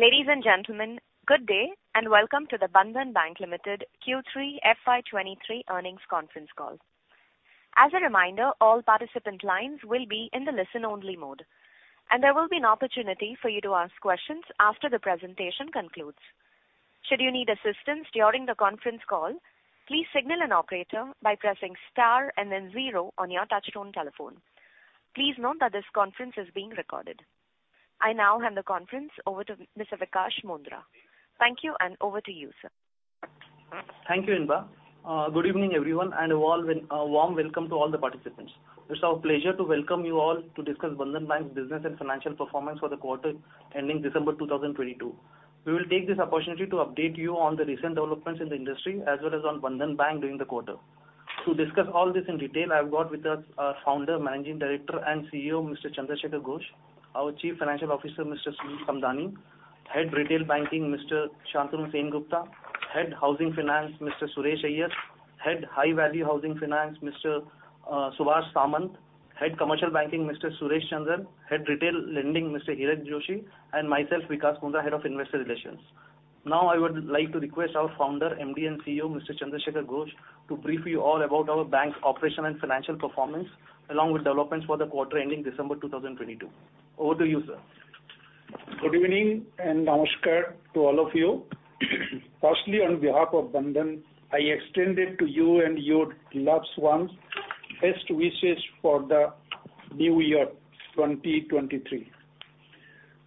Ladies and gentlemen, good day and welcome to the Bandhan Bank Limited Q3 FY 2023 earnings conference call. As a reminder, all participant lines will be in the listen-only mode, and there will be an opportunity for you to ask questions after the presentation concludes. Should you need assistance during the conference call, please signal an operator by pressing star and then zero on your touch-tone telephone. Please note that this conference is being recorded. I now hand the conference over to Mr. Vikash Mundhra. Thank you, and over to you, sir. Thank you, Inba. Good evening, everyone, and a warm welcome to all the participants. It's our pleasure to welcome you all to discuss Bandhan Bank's business and financial performance for the quarter ending December 2022. We will take this opportunity to update you on the recent developments in the industry, as well as on Bandhan Bank during the quarter. To discuss all this in detail, I've got with us our Founder, Managing Director and CEO, Mr. Chandra Shekhar Ghosh, our Chief Financial Officer, Mr. Sunil Samdani, Head Retail Banking, Mr. Shantanu Sengupta, Head Housing Finance, Mr. Suresh Iyer, Head High Value Housing Finance, Mr. Subhash Samant, Head Commercial Banking, Mr. Suresh Chandran, Head Retail Lending, Mr. Hirak Joshi, and myself, Vikash Mundhra, Head of Investor Relations. I would like to request our Founder, MD and CEO, Mr. Chandra Shekhar Ghosh, to brief you all about our bank's operational and financial performance, along with developments for the quarter ending December 2022. Over to you, sir. Good evening and Namaskar to all of you. Firstly, on behalf of Bandhan, I extended to you and your loved ones best wishes for the New Year, 2023.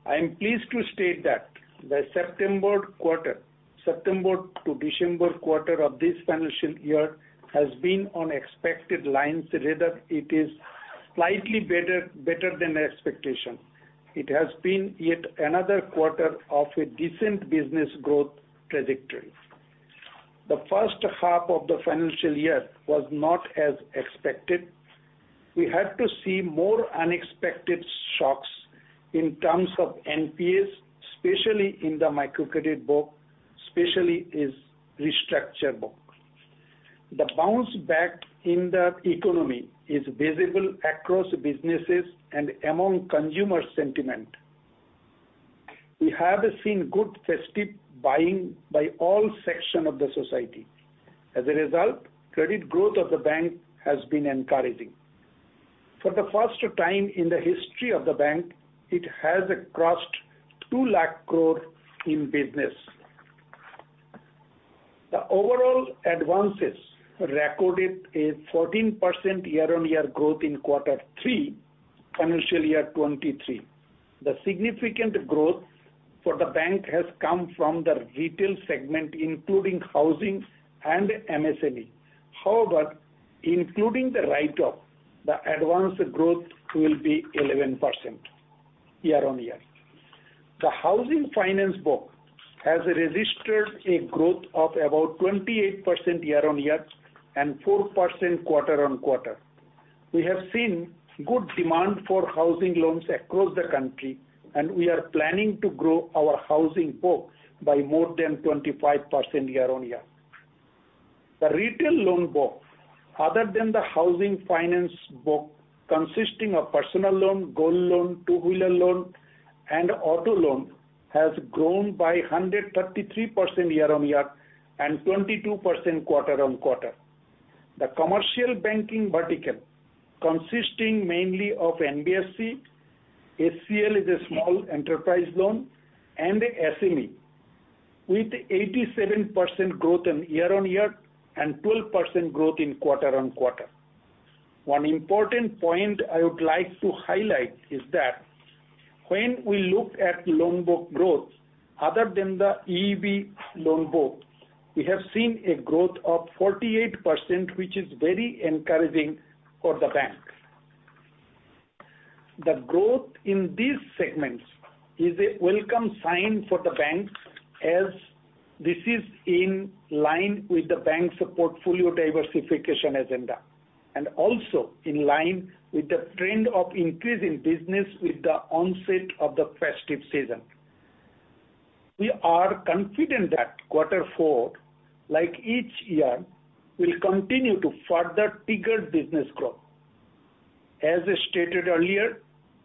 I am pleased to state that the September quarter, September to December quarter of this financial year has been on expected lines. Rather it is slightly better than expectation. It has been yet another quarter of a decent business growth trajectory. The first half of the financial year was not as expected. We had to see more unexpected shocks in terms of NPAs, especially in the microcredit book, especially its restructure books. The bounce back in the economy is visible across businesses and among consumer sentiment. We have seen good festive buying by all section of the society. As a result, credit growth of the bank has been encouraging. For the first time in the history of the bank, it has crossed 200,000 crore in business. The overall advances recorded a 14% year-on-year growth in quarter three, financial year 2023. The significant growth for the bank has come from the Retail segment, including housing and MSME. Including the write-off, the advance growth will be 11% year-on-year. The housing finance book has registered a growth of about 28% year-on-year and 4% quarter-on-quarter. We have seen good demand for housing loans across the country, we are planning to grow our housing book by more than 25% year-on-year. The Retail loan book, other than the housing finance book consisting of personal loan, gold loan, two-wheeler loan, and auto loan, has grown by 133% year-on-year and 22% quarter-on-quarter. The commercial banking vertical consisting mainly of NBFC, SEL is a Small Enterprise Loan and SME with 87% growth in year-on-year and 12% growth in quarter-on-quarter. One important point I would like to highlight is that when we look at loan book growth, other than the EEB loan book, we have seen a growth of 48%, which is very encouraging for the bank. The growth in these segments is a welcome sign for the bank as this is in line with the bank's portfolio diversification agenda, and also in line with the trend of increase in business with the onset of the festive season. We are confident that quarter four, like each year, will continue to further trigger business growth. As stated earlier,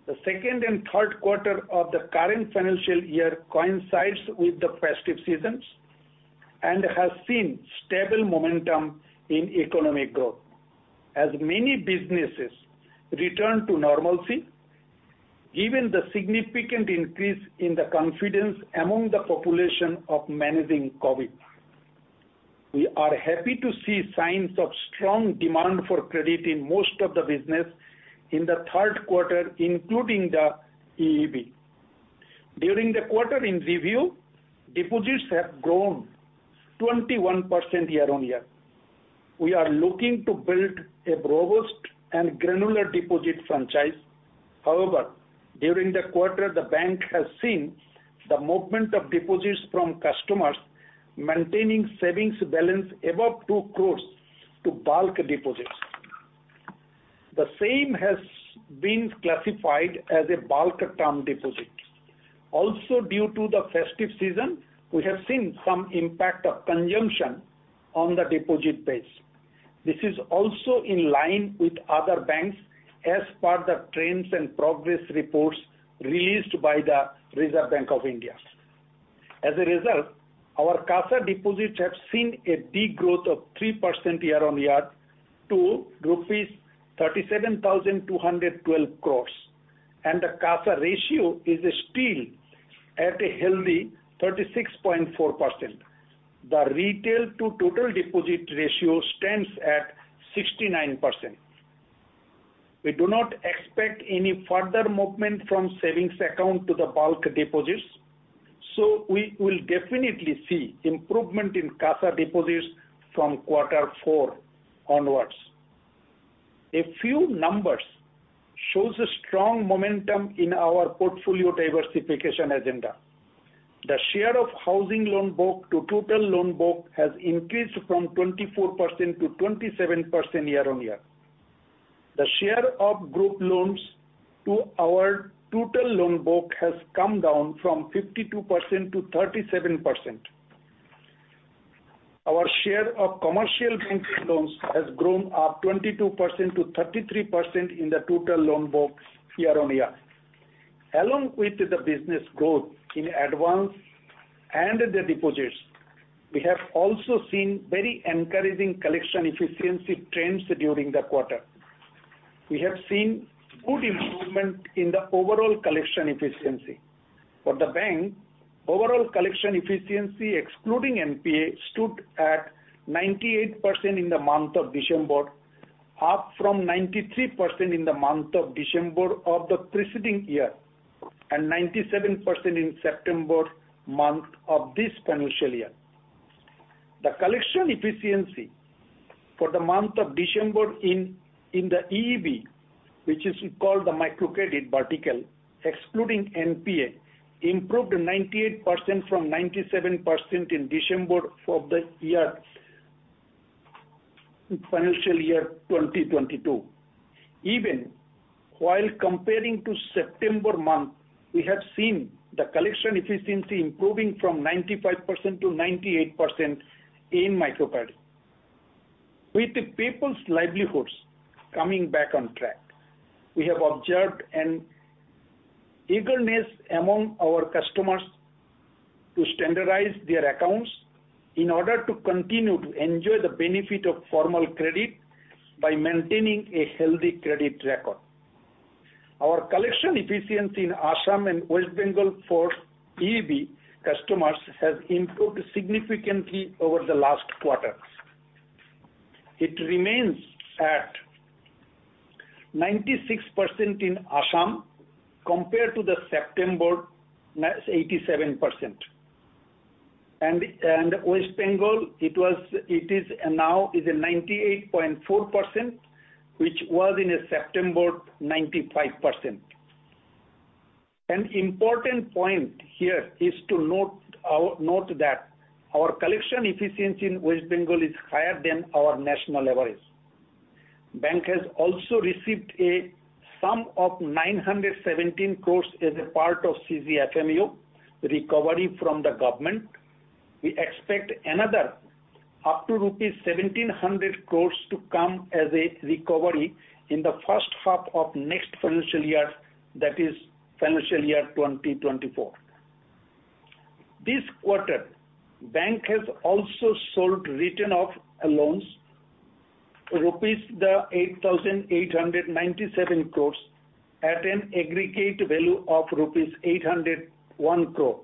the second and third quarter of the current financial year coincides with the festive seasons and has seen stable momentum in economic growth as many businesses return to normalcy, given the significant increase in the confidence among the population of managing COVID. We are happy to see signs of strong demand for credit in most of the business in the third quarter, including the EEB. During the quarter in review, deposits have grown 21% year-on-year. We are looking to build a robust and granular deposit franchise. However, during the quarter, the bank has seen the movement of deposits from customers maintaining savings balance above 2 crores to bulk deposits. The same has been classified as a bulk term deposit. Due to the festive season, we have seen some impact of consumption on the deposit base. This is also in line with other banks as per the trends and progress reports released by the Reserve Bank of India. Our CASA deposits have seen a de-growth of 3% year-over-year to rupees 37,212 crores, and the CASA ratio is still at a healthy 36.4%. The Retail to total deposit ratio stands at 69%. We do not expect any further movement from savings account to the bulk deposits. We will definitely see improvement in CASA deposits from Q4 onwards. A few numbers shows a strong momentum in our portfolio diversification agenda. The share of housing loan book to total loan book has increased from 24% to 27% year-over-year. The share of group loans to our total loan book has come down from 52% to 37%. Our share of commercial banking loans has grown up 22% to 33% in the total loan book year-on-year. Along with the business growth in advance and the deposits, we have also seen very encouraging collection efficiency trends during the quarter. We have seen good improvement in the overall collection efficiency. For the bank, overall collection efficiency excluding NPA stood at 98% in the month of December, up from 93% in the month of December of the preceding year, and 97% in September month of this financial year. The collection efficiency for the month of December in the EEB, which is called the microcredit vertical, excluding NPA, improved 98% from 97% in December for the financial year 2022. Even while comparing to September month, we have seen the collection efficiency improving from 95% to 98% in microcredit. With the people's livelihoods coming back on track, we have observed an eagerness among our customers to standardize their accounts in order to continue to enjoy the benefit of formal credit by maintaining a healthy credit record. Our collection efficiency in Assam and West Bengal for EEB customers has improved significantly over the last quarters. It remains at 96% in Assam compared to the September, 87%. West Bengal it is now is 98.4%, which was in September, 95%. An important point here is to note that our collection efficiency in West Bengal is higher than our national average. Bank has also received a sum of 917 crore as a part of CGFMU recovery from the government. We expect another up to rupees 1,700 crore to come as a recovery in the first half of next financial year, that is financial year 2024. This quarter, bank has also sold written off loans 8,897 crore rupees at an aggregate value of rupees 801 crore.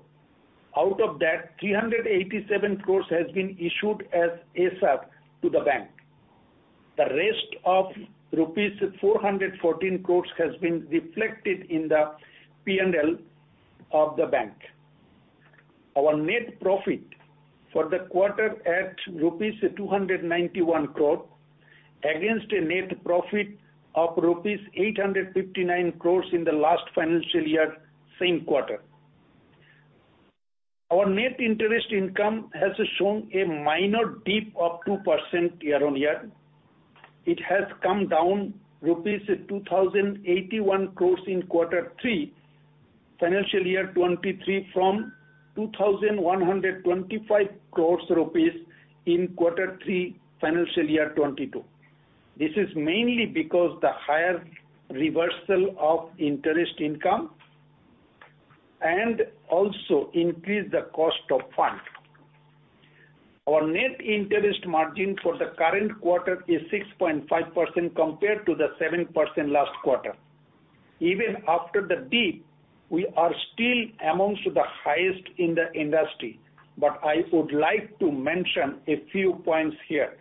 Out of that, 387 crore has been issued as SR to the bank. The rest of 414 crore rupees has been reflected in the P&L of the bank. Our net profit for the quarter at rupees 291 crore against a net profit of rupees 859 crore in the last financial year, same quarter. Our net interest income has shown a minor dip of 2% year-over-year. It has come down rupees 2,081 crore in Q3, financial year 2023, from 2,125 crore rupees in Q3, financial year 2022. This is mainly because the higher reversal of interest income and also increase the cost of fund. Our net interest margin for the current quarter is 6.5% compared to the 7% last quarter. Even after the dip, we are still amongst the highest in the industry. I would like to mention a few points here.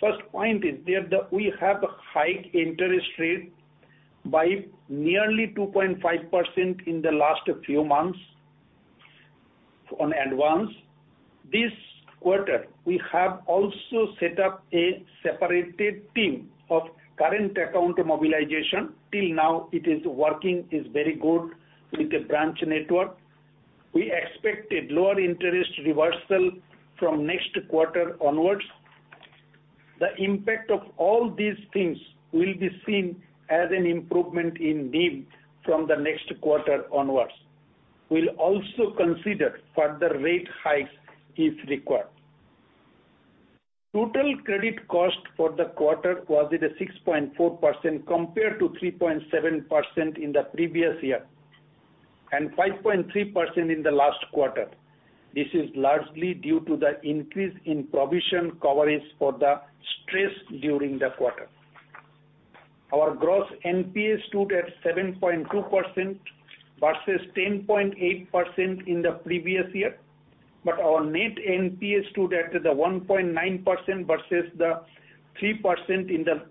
First point is that we have high interest rate by nearly 2.5% in the last few months on advance. This quarter we have also set up a separated team of current account mobilization. Till now it is working very good with the branch network. We expect a lower interest reversal from next quarter onwards. The impact of all these things will be seen as an improvement in NIM from the next quarter onwards. We'll also consider further rate hikes if required. Total credit cost for the quarter was at a 6.4% compared to 3.7% in the previous year, and 5.3% in the last quarter. This is largely due to the increase in provision coverage for the stress during the quarter. Our gross NPAs stood at 7.2% versus 10.8% in the previous year. Our net NPA stood at the 1.9% versus the 3% in the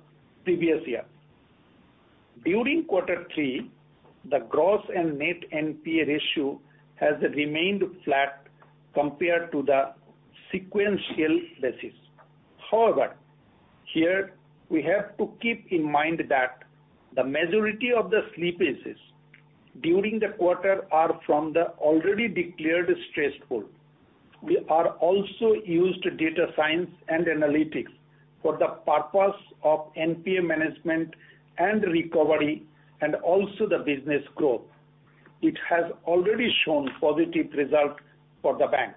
previous year. During quarter three, the gross and net NPA ratio has remained flat compared to the sequential basis. Here we have to keep in mind that the majority of the slippages during the quarter are from the already declared stress pool. We are also used data science and analytics for the purpose of NPA management and recovery and also the business growth. It has already shown positive result for the bank.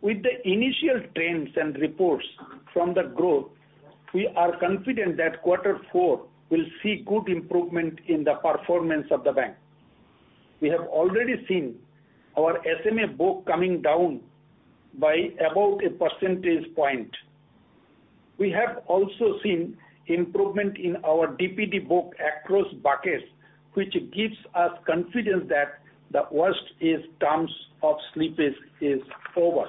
With the initial trends and reports from the growth, we are confident that quarter four will see good improvement in the performance of the bank. We have already seen our SMA book coming down by about a percentage point. We have also seen improvement in our DPD book across buckets, which gives us confidence that the worst is terms of slippage is over.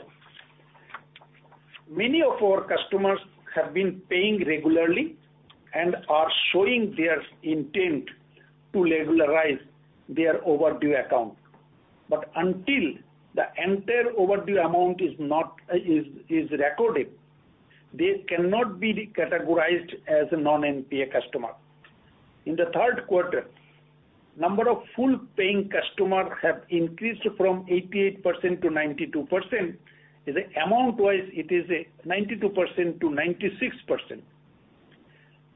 Many of our customers have been paying regularly and are showing their intent to regularize their overdue account. Until the entire overdue amount is not recorded, they cannot be categorized as a non-NPA customer. In the third quarter, number of full-paying customers have increased from 88% to 92%. The amount-wise it is 92% to 96%.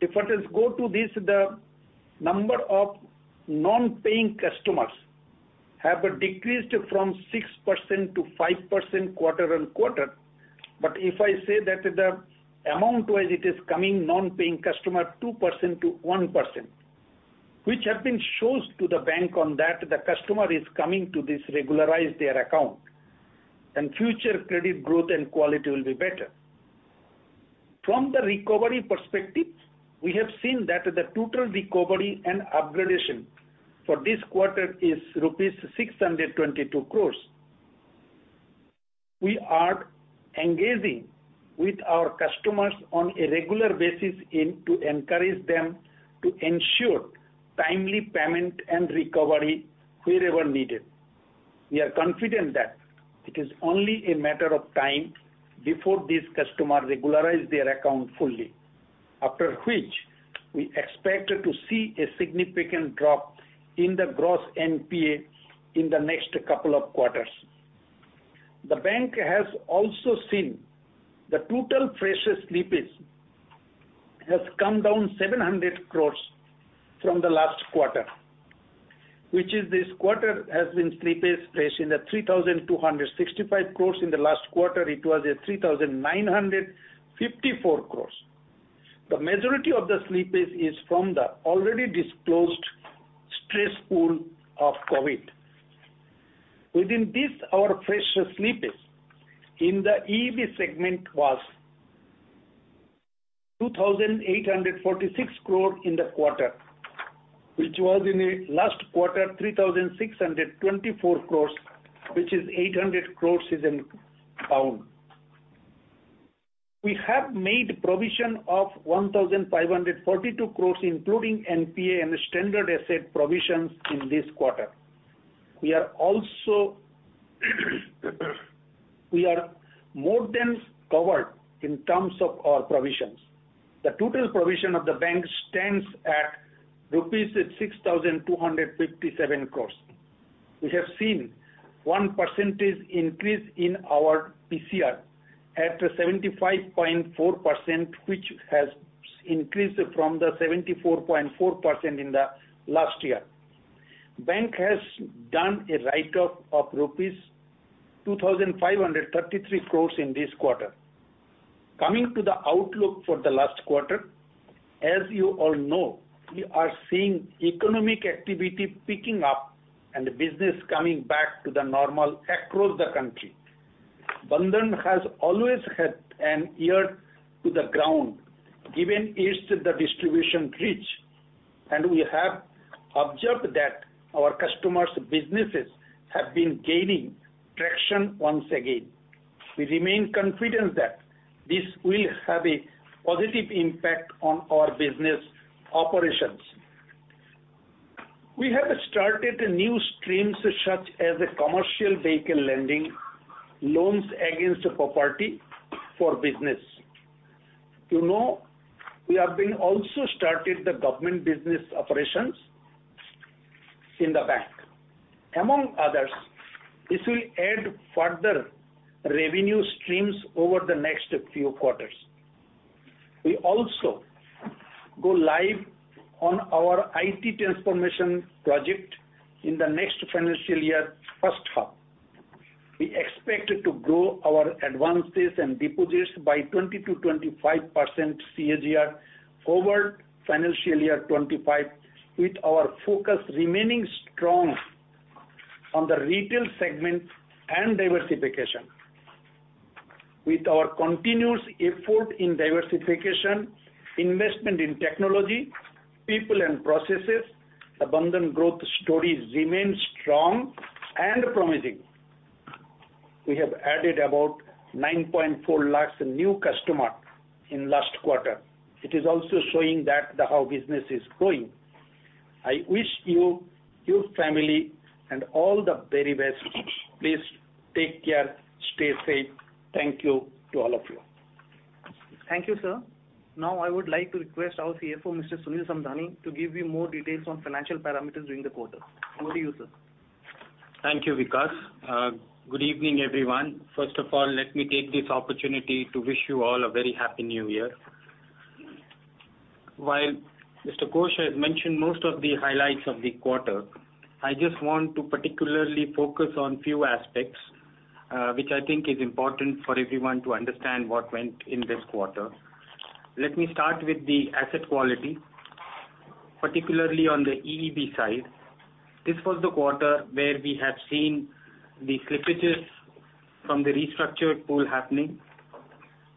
If I just go to this, the number of non-paying customers have decreased from 6% to 5% quarter-on-quarter. If I say that the amount-wise it is coming non-paying customer 2% to 1%, which have been shows to the bank on that the customer is coming to this regularize their account, and future credit growth and quality will be better. From the recovery perspective, we have seen that the total recovery and upgradation for this quarter is rupees 622 crores. We are engaging with our customers on a regular basis to encourage them to ensure timely payment and recovery wherever needed. We are confident that it is only a matter of time before these customers regularize their account fully, after which we expect to see a significant drop in the gross NPA in the next couple of quarters. The bank has also seen the total fresh slippage has come down 700 crore from the last quarter, which is this quarter has been slippage fresh in the 3,265 crore. In the last quarter, it was at 3,954 crore. The majority of the slippage is from the already disclosed stress pool of COVID. Within this, our fresh slippage in the EEB segment was 2,846 crore in the quarter, which was in the last quarter, 3,624 crore, which is 800 crore is in down. We have made provision of 1,542 crore, including NPA and standard asset provisions in this quarter. We are also more than covered in terms of our provisions. The total provision of the bank stands at rupees 6,257 crore. We have seen 1 percentage increase in our PCR at 75.4%, which has increased from the 74.4% in the last year. Bank has done a write-off of rupees 2,533 crore in this quarter. Coming to the outlook for the last quarter, as you all know, we are seeing economic activity picking up and business coming back to the normal across the country. Bandhan has always had an ear to the ground, given its the distribution reach, we have observed that our customers' businesses have been gaining traction once again. We remain confident that this will have a positive impact on our business operations. We have started new streams such as commercial vehicle lending, loans against property for business. You know, we have been also started the government business operations in the bank. Among others, this will add further revenue streams over the next few quarters. We also go live on our IT transformation project in the next financial year, first half. We expect it to grow our advances and deposits by 20%-25% CAGR over financial year 2025, with our focus remaining strong on the Retail segment and diversification. With our continuous effort in diversification, investment in technology, people and processes, Bandhan growth stories remain strong and promising. We have added about 9.4 lakhs in new customer in last quarter. It is also showing that the how business is growing. I wish you, your family, and all the very best. Please take care. Stay safe. Thank you to all of you. Thank you, sir. I would like to request our CFO, Mr. Sunil Samdani, to give you more details on financial parameters during the quarter. Over to you, sir. Thank you, Vikash. Good evening, everyone. 1st of all, let me take this opportunity to wish you all a very Happy New Year. While Mr. Ghosh has mentioned most of the highlights of the quarter, I just want to particularly focus on few aspects, which I think is important for everyone to understand what went in this quarter. Let me start with the asset quality, particularly on the EEB side. This was the quarter where we have seen the slippages from the restructured pool happening.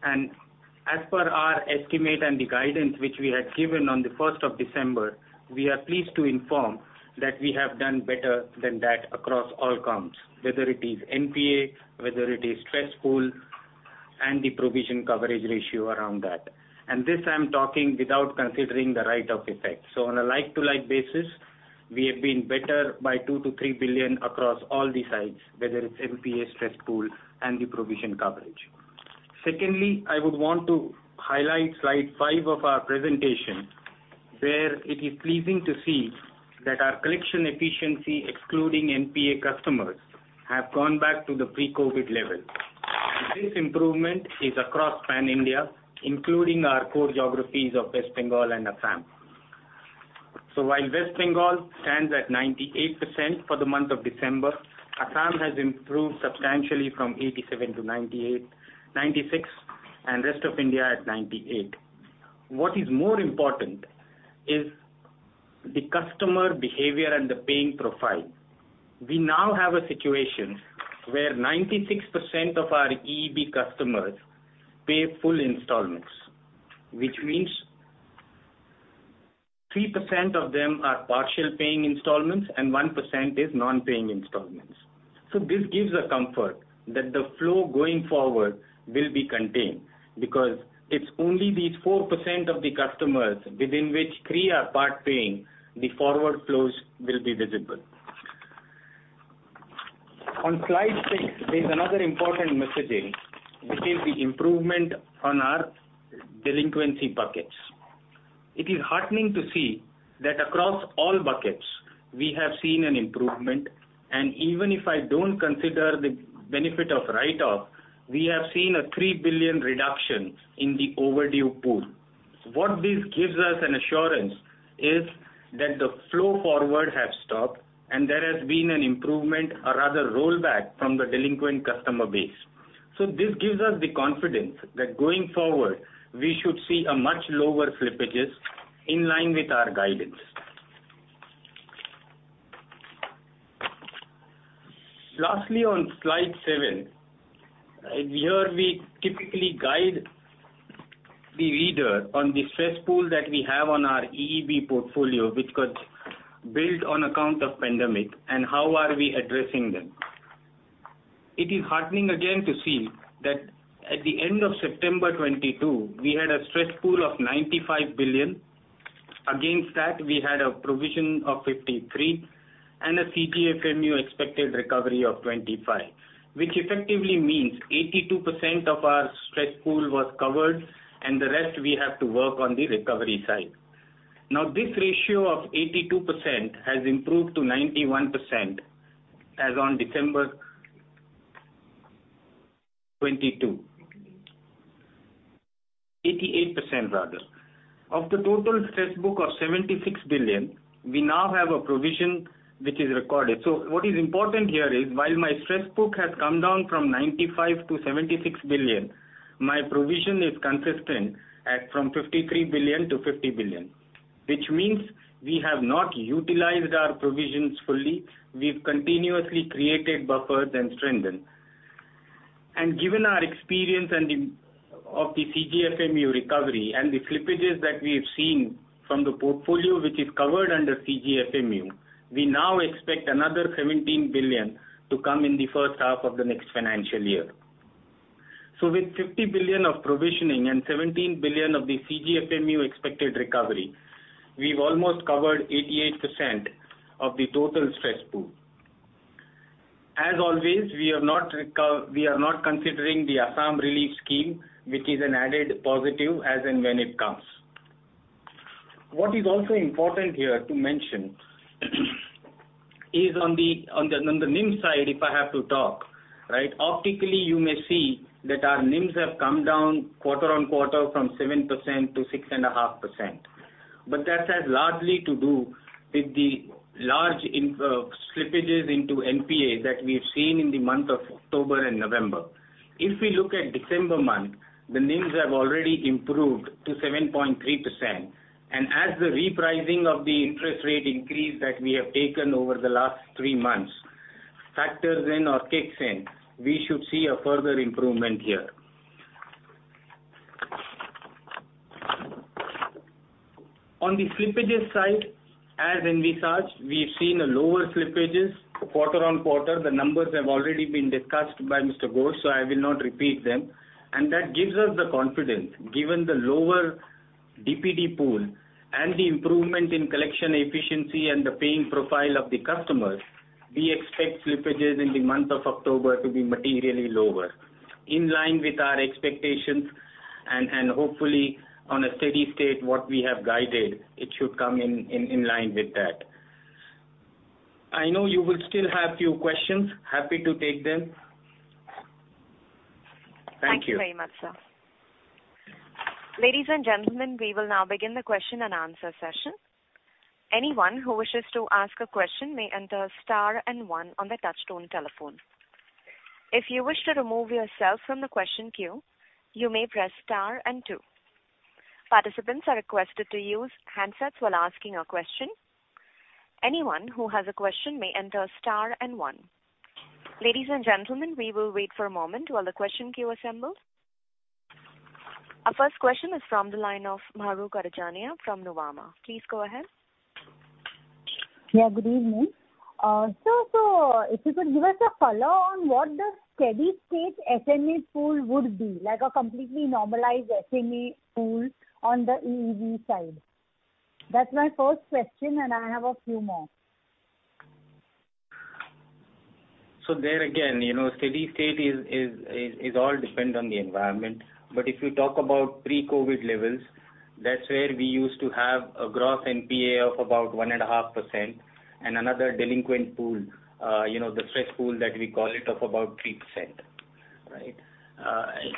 As per our estimate and the guidance which we had given on the 1st of December, we are pleased to inform that we have done better than that across all comps, whether it is NPA, whether it is stress pool, and the provision coverage ratio around that. This, I'm talking without considering the write-off effect. On a like-to-like basis, we have been better by 2 billion- 3 billion across all the sides, whether it's NPA stress pool and the provision coverage. Secondly, I would want to highlight slide five of our presentation, where it is pleasing to see that our collection efficiency, excluding NPA customers, have gone back to the pre-COVID level. This improvement is across pan-India, including our core geographies of West Bengal and Assam. While West Bengal stands at 98% for the month of December, Assam has improved substantially from 87% to 98%, 96%, and rest of India at 98%. What is more important is the customer behavior and the paying profile. We now have a situation where 96% of our EEB customers pay full installments, which means 3% of them are partial paying installments and 1% is non-paying installments. This gives a comfort that the flow going forward will be contained because it's only these 4% of the customers within which three are part-paying, the forward flows will be visible. On slide six is another important messaging, which is the improvement on our delinquency buckets. It is heartening to see that across all buckets we have seen an improvement. Even if I don't consider the benefit of write-off, we have seen an 3 billion reduction in the overdue pool. What this gives us an assurance is that the flow forward has stopped and there has been an improvement or rather rollback from the delinquent customer base. This gives us the confidence that going forward, we should see a much lower slippages in line with our guidance. Lastly, on slide seven, here we typically guide the reader on the stress pool that we have on our EEB portfolio, which got built on account of pandemic, and how are we addressing them. It is heartening again to see that at the end of September 2022, we had a stress pool of 95 billion. Against that, we had a provision of 53 billion and a CGFMU expected recovery of 25 billion, which effectively means 82% of our stress pool was covered and the rest we have to work on the recovery side. This ratio of 82% has improved to 91% as on December 2022. 88% rather. Of the total stress book of 76 billion, we now have a provision which is recorded. What is important here is, while my stress book has come down from 95 billion-76 billion, my provision is consistent at from 53 billion-50 billion, which means we have not utilized our provisions fully. We've continuously created buffers and strengthened. Given our experience and the, of the CGFMU recovery and the slippages that we have seen from the portfolio which is covered under CGFMU, we now expect another 17 billion to come in the first half of the next financial year. With 50 billion of provisioning and 17 billion of the CGFMU expected recovery, we've almost covered 88% of the total stress pool. As always, we are not considering the Assam relief scheme, which is an added positive as and when it comes. What is also important here to mention is on the NIM side, if I have to talk, right? Optically you may see that our NIMs have come down quarter on quarter from 7% to 6.5%. But that has largely to do with the large slippages into NPA that we've seen in the month of October and November. If we look at December month, the NIMs have already improved to 7.3%. As the repricing of the interest rate increase that we have taken over the last 3 months factors in or kicks in, we should see a further improvement here. On the slippages side, as envisaged, we've seen a lower slippages quarter-on-quarter. The numbers have already been discussed by Mr. Ghosh, so I will not repeat them. That gives us the confidence, given the lower DPD pool and the improvement in collection efficiency and the paying profile of the customers, we expect slippages in the month of October to be materially lower, in line with our expectations and hopefully on a steady state, what we have guided, it should come in line with that. I know you will still have few questions. Happy to take them. Thank you. Thank you very much, sir. Ladies and gentlemen, we will now begin the question-and-answer session. Anyone who wishes to ask a question may enter star and one on their touchtone telephone. If you wish to remove yourself from the question queue, you may press star and two. Participants are requested to use handsets while asking a question. Anyone who has a question may enter star and one. Ladies and gentlemen, we will wait for a moment while the question queue assembles. Our first question is from the line of Mahrukh Adajania from Nuvama. Please go ahead. Yeah, good evening. sir, if you could give us a color on what the steady-state SME pool would be, like a completely normalized SME pool on the EV side. That's my first question, and I have a few more. There again, you know, steady state is all depend on the environment. If you talk about pre-COVID levels, that's where we used to have a gross NPA of about 1.5% and another delinquent pool, you know, the stress pool that we call it, of about 3%. Right?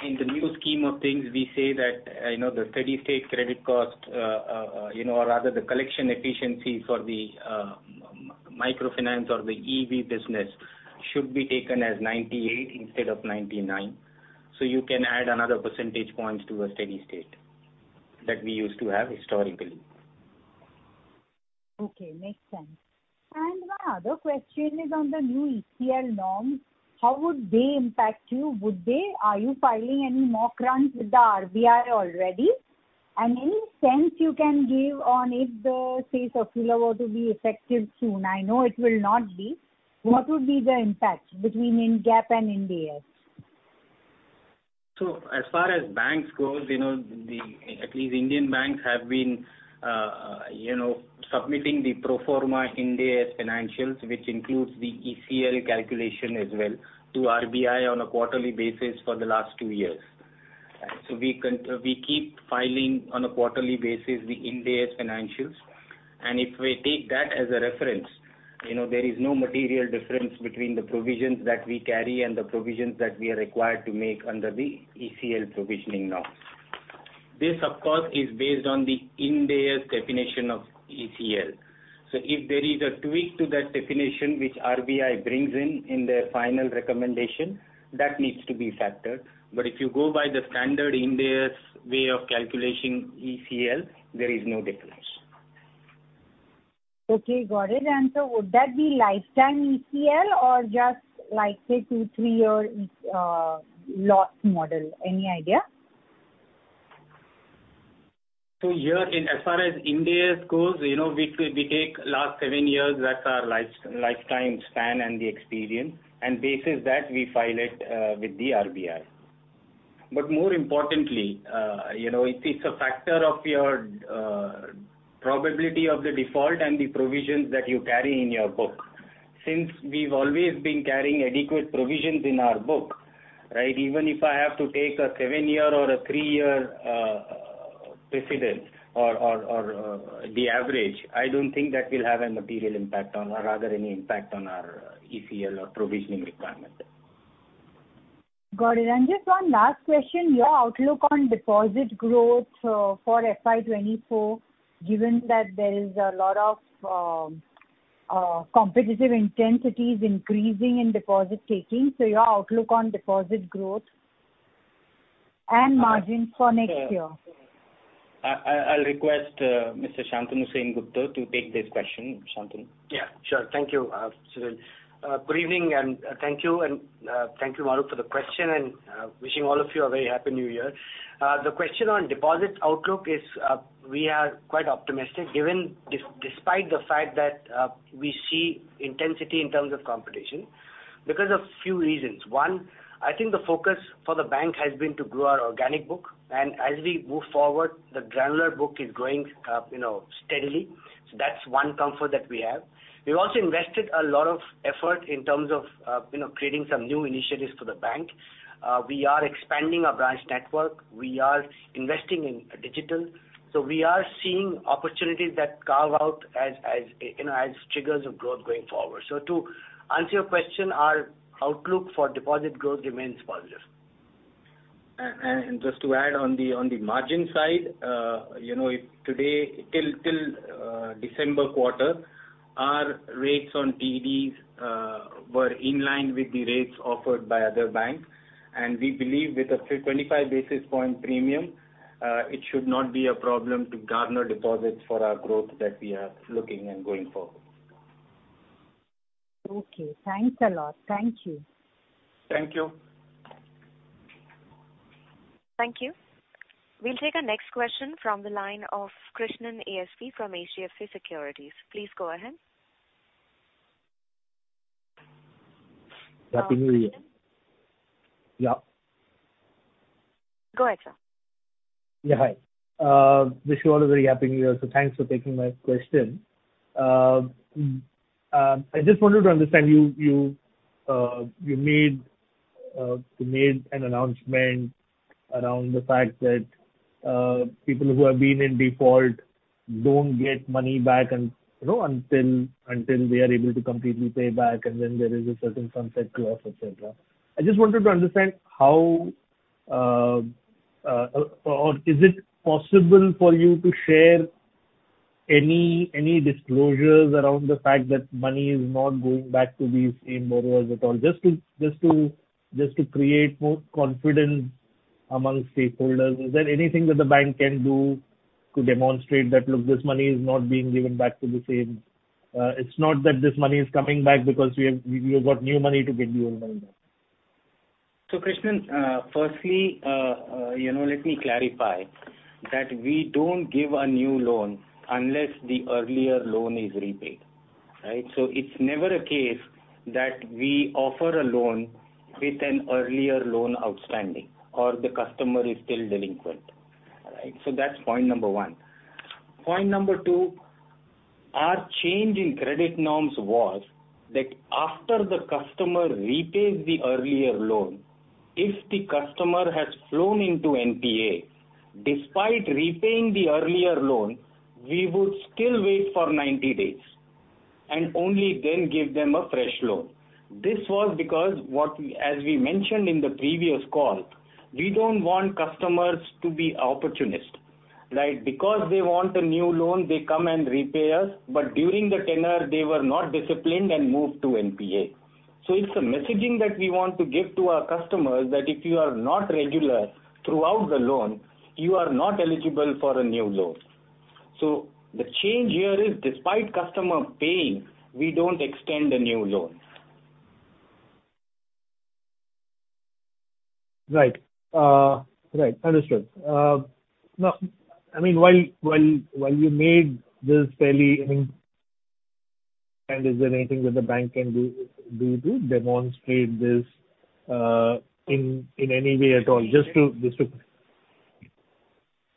In the new scheme of things, we say that, you know, the steady-state credit cost, you know, or rather the collection efficiency for the microfinance or the EEB business should be taken as 98 instead of 99. You can add another percentage point to a steady state that we used to have historically. Okay, makes sense. My other question is on the new ECL norms. How would they impact you? Would they? Are you filing any mock runs with the RBI already? Any sense you can give on if the cease or feel about to be effective soon? I know it will not be. What would be the impact between Ind AS and in days? As far as banks goes, you know, the, at least Indian banks have been, you know, submitting the pro forma India financials, which includes the ECL calculation as well, to RBI on a quarterly basis for the last two years. We keep filing on a quarterly basis the India financials. If we take that as a reference, you know, there is no material difference between the provisions that we carry and the provisions that we are required to make under the ECL provisioning norms. This of course is based on the India's definition of ECL. If there is a tweak to that definition which RBI brings in in their final recommendation, that needs to be factored. If you go by the standard India's way of calculating ECL, there is no difference. Okay, got it. Would that be lifetime ECL or just like, say, two-three-year loss model? Any idea? Here in as far as India goes, you know, we take last seven years, that's our life, lifetime span and the experience, and basis that we file it with the RBI. More importantly, you know, it is a factor of your probability of the default and the provisions that you carry in your book. Since we've always been carrying adequate provisions in our book, right? Even if I have to take a 7-year or a 3-year precedent or the average, I don't think that will have a material impact on or rather any impact on our ECL or provisioning requirement. Got it. Just one last question, your outlook on deposit growth, for FY 2024, given that there is a lot of competitive intensity is increasing in deposit-taking, so your outlook on deposit growth and margins for next year? I'll request Mr. Shantanu Sengupta to take this question. Shantanu? Yeah, sure. Thank you, Sunil. Good evening and thank you and thank you Mahrukh for the question and wishing all of you a very Happy New Year. The question on deposit outlook is we are quite optimistic, given despite the fact that we see intensity in terms of competition because of few reasons. One, I think the focus for the bank has been to grow our organic book, and as we move forward, the granular book is growing, you know, steadily. That's one comfort that we have. We've also invested a lot of effort in terms of, you know, creating some new initiatives for the bank. We are expanding our branch network. We are investing in digital. We are seeing opportunities that carve out as, you know, as triggers of growth going forward. To answer your question, our outlook for deposit growth remains positive. Just to add on the margin side, you know, if today till December quarter, our rates on TDs were in line with the rates offered by other banks. We believe with a 25 basis point premium, it should not be a problem to garner deposits for our growth that we are looking and going forward. Okay, thanks a lot. Thank you. Thank you. Thank you. We'll take our next question from the line of Krishnan ASV from HDFC Securities. Please go ahead. Happy New Year. Yeah. Go ahead, sir. Yeah, hi. Wish you all a very Happy New Year. Thanks for taking my question. I just wanted to understand you made an announcement around the fact that people who have been in default don't get money back you know, until they are able to completely pay back and then there is a certain sunset clause, et cetera. I just wanted to understand how or is it possible for you to share any disclosures around the fact that money is not going back to these same borrowers at all? Just to create more confidence among stakeholders. Is there anything that the bank can do to demonstrate that, look, this money is not being given back to the same... It's not that this money is coming back because we have got new money to give you and all that. Krishnan, firstly, you know, let me clarify that we don't give a new loan unless the earlier loan is repaid, right? It's never a case that we offer a loan with an earlier loan outstanding or the customer is still delinquent. All right? That's point number one. Point number two, our change in credit norms was that after the customer repays the earlier loan, if the customer has flown into NPA, despite repaying the earlier loan, we would still wait for 90 days and only then give them a fresh loan. This was because as we mentioned in the previous call, we don't want customers to be opportunist, right? Because they want a new loan, they come and repay us, but during the tenure, they were not disciplined and moved to NPA. It's a messaging that we want to give to our customers that if you are not regular throughout the loan, you are not eligible for a new loan. The change here is despite customer paying, we don't extend a new loan. Right. Understood. Now, I mean, while you made this fairly, I mean and is there anything that the bank can do to demonstrate this, in any way at all? Just to.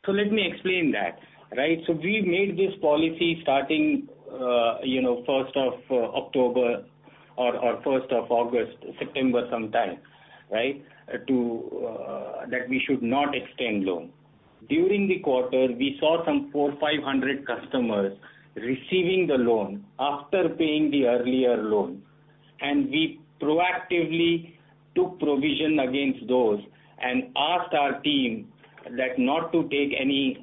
Let me explain that, right? We made this policy starting, you know, first of October or first of August, September sometime, right? To that we should not extend loan. During the quarter, we saw some 400-500 customers receiving the loan after paying the earlier loan. We proactively took provision against those and asked our team that not to take any,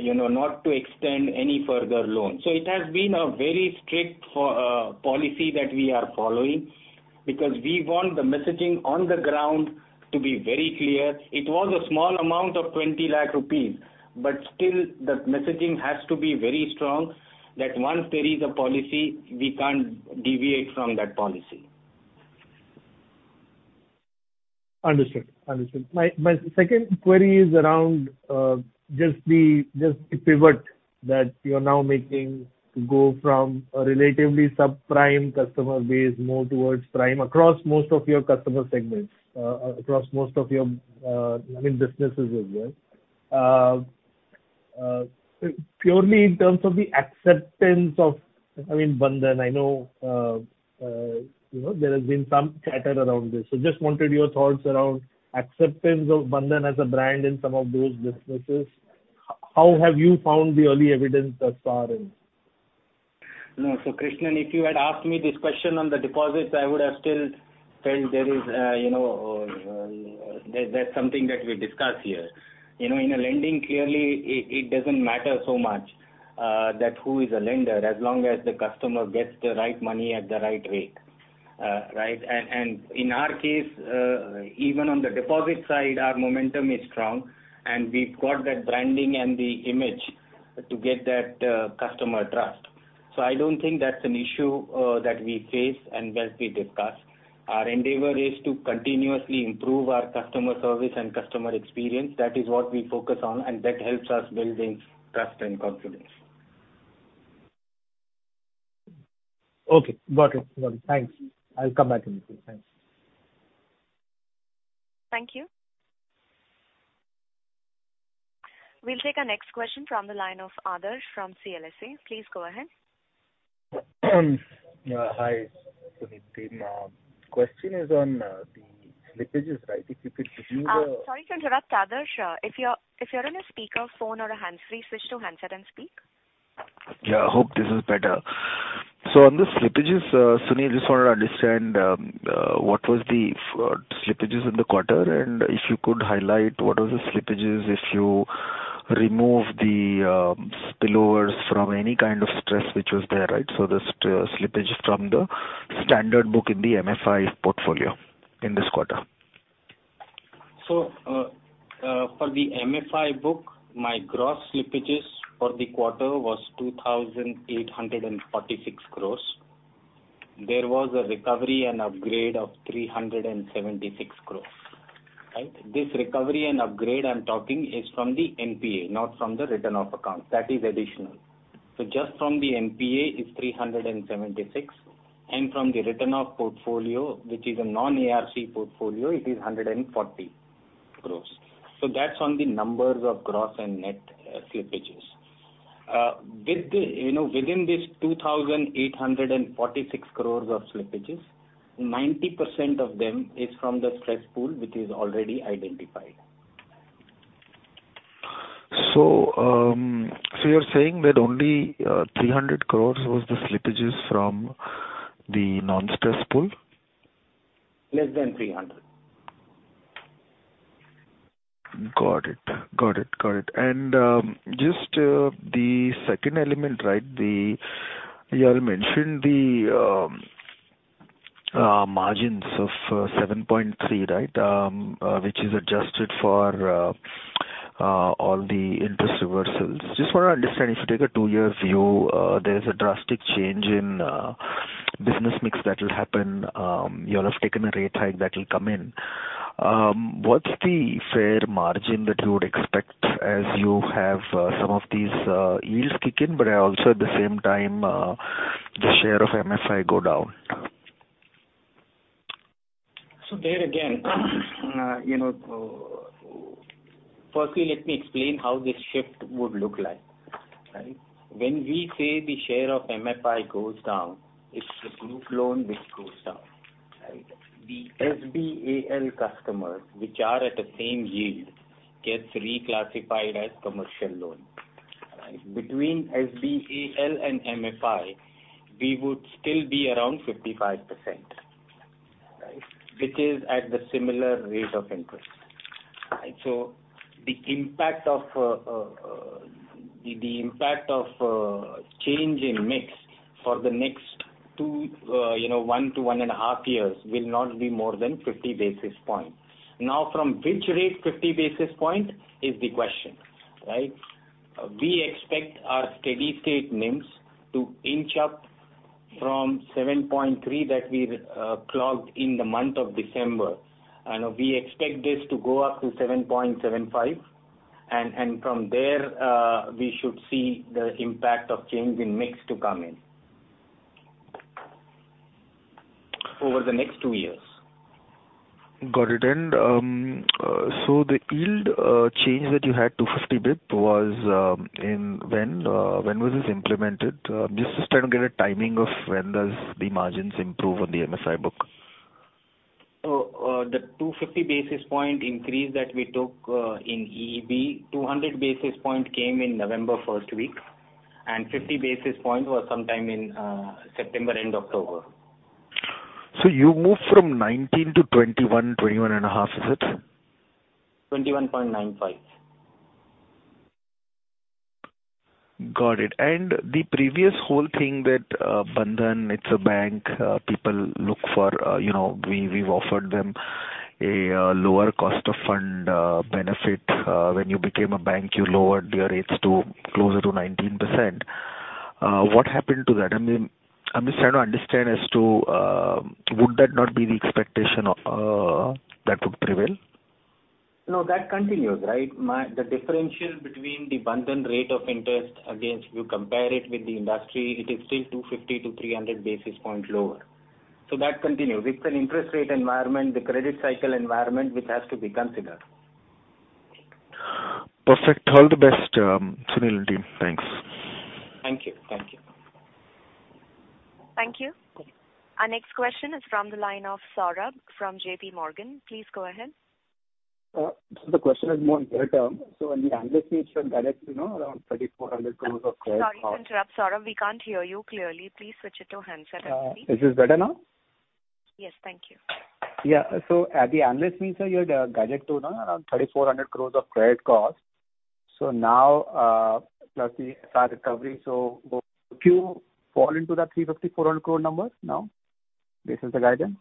you know, not to extend any further loans. It has been a very strict policy that we are following because we want the messaging on the ground to be very clear. It was a small amount of 20 lakh rupees, but still the messaging has to be very strong that once there is a policy, we can't deviate from that policy. Understood. Understood. My second query is around just the pivot that you are now making to go from a relatively sub-prime customer base more towards prime across most of your customer segments across most of your, I mean, businesses as well. Purely in terms of the acceptance of, I mean, Bandhan, I know, you know, there has been some chatter around this. Just wanted your thoughts around acceptance of Bandhan as a brand in some of those businesses. How have you found the early evidence thus far in? No. Krishnan, if you had asked me this question on the deposits, I would have still said there is, you know, that's something that we discuss here. You know, in a lending, clearly it doesn't matter so much that who is a lender as long as the customer gets the right money at the right rate. Right? In our case, even on the deposit side, our momentum is strong and we've got that branding and the image to get that customer trust. I don't think that's an issue that we face and that we discuss. Our endeavor is to continuously improve our customer service and customer experience. That is what we focus on. That helps us building trust and confidence. Okay. Got it. Got it. Thanks. I'll come back in a few. Thanks. Thank you. We'll take our next question from the line of Adarsh from CLSA. Please go ahead. Hi, Sunil. The question is on the slippages, right? If you could give me. Sorry to interrupt, Adarsh. If you're on a speakerphone or a hands-free, switch to handset and speak. Yeah. Hope this is better. On the slippages, Sunil, just wanna understand, what was the slippages in the quarter, and if you could highlight what are the slippages if you remove the spillovers from any kind of stress which was there, right? The slippage from the standard book in the MFI portfolio in this quarter. For the MFI book, my gross slippages for the quarter was 2,846 crores. There was a recovery and upgrade of 376 crores, right? This recovery and upgrade I'm talking is from the NPA, not from the written-off accounts. That is additional. Just from the NPA is 376, and from the written-off portfolio, which is a non-ARC portfolio, it is 140 crores. That's on the numbers of gross and net slippages. You know, within this 2,846 crores of slippages, 90% of them is from the stress pool which is already identified. You're saying that only, 300 crores was the slippages from the non-stress pool? Less than 300. Got it. Got it. Got it. Just the second element, right? You all mentioned the margins of 7.3%, right? Which is adjusted for all the interest reversals. Just wanna understand, if you take a 2-year view, there's a drastic change in business mix that will happen. You all have taken a rate hike that will come in. What's the fair margin that you would expect as you have some of these yields kick in, but also at the same time, the share of MFI go down? There again, you know, firstly, let me explain how this shift would look like, right? When we say the share of MFI goes down, it's the group loan which goes down, right? The SBAL customers, which are at the same yield, gets reclassified as commercial loan, right? Between SBAL and MFI, we would still be around 55%, right? Which is at the similar rate of interest, right? The impact of change in mix for the next two, you know, one to 1.5 years will not be more than 50 basis points. From which rate 50 basis point is the question, right? We expect our steady-state NIMs to inch up from 7.3 that we clocked in the month of December. We expect this to go up to 7.75 and from there, we should see the impact of change in mix to come in over the next two years. Got it. So the yield change that you had to 50 bp was in when was this implemented? Just trying to get a timing of when does the margins improve on the MFI book. The 250 basis point increase that we took in EEB, 200 basis point came in November 1st week, and 50 basis points was sometime in September, end October. You moved from 19 to 21 and a half, is it? 21.95. Got it. The previous whole thing that, Bandhan, it's a bank, people look for, you know, We've offered them a lower cost of fund benefit. When you became a bank, you lowered your rates to closer to 19%. What happened to that? I mean, I'm just trying to understand as to, would that not be the expectation, that would prevail? No, that continues, right? The differential between the Bandhan rate of interest against, you compare it with the industry, it is still 250 to 300 basis points lower. That continues. It's an interest rate environment, the credit cycle environment which has to be considered. Perfect. All the best, Sunil and team. Thanks. Thank you. Thank you. Thank you. Our next question is from the line of Saurabh from JPMorgan. Please go ahead. The question is more on credit term. In the analyst meet you had guided, you know, around 3,400 crores of credit cost. Sorry to interrupt, Saurabh. We can't hear you clearly. Please switch it to handset FP. Is this better now? Yes. Thank you. Yeah. At the analyst meeting you had guided to around 3,400 crores of credit cost. Now, plus the Retail recovery, would you fall into that 350-400 crore numbers now? This is the guidance.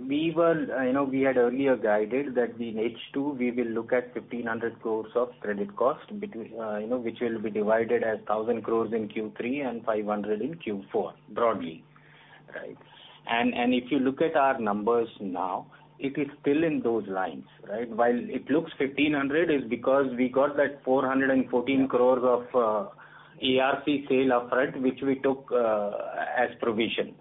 We were, you know, we had earlier guided that in H2 we will look at 1,500 crores of credit cost, you know, which will be divided as 1,000 crores in Q3 and 500 crores in Q4, broadly, right. If you look at our numbers now, it is still in those lines, right. While it looks 1,500 crores, it's because we got that 414 crores of ARC sale upfront, which we took as provision,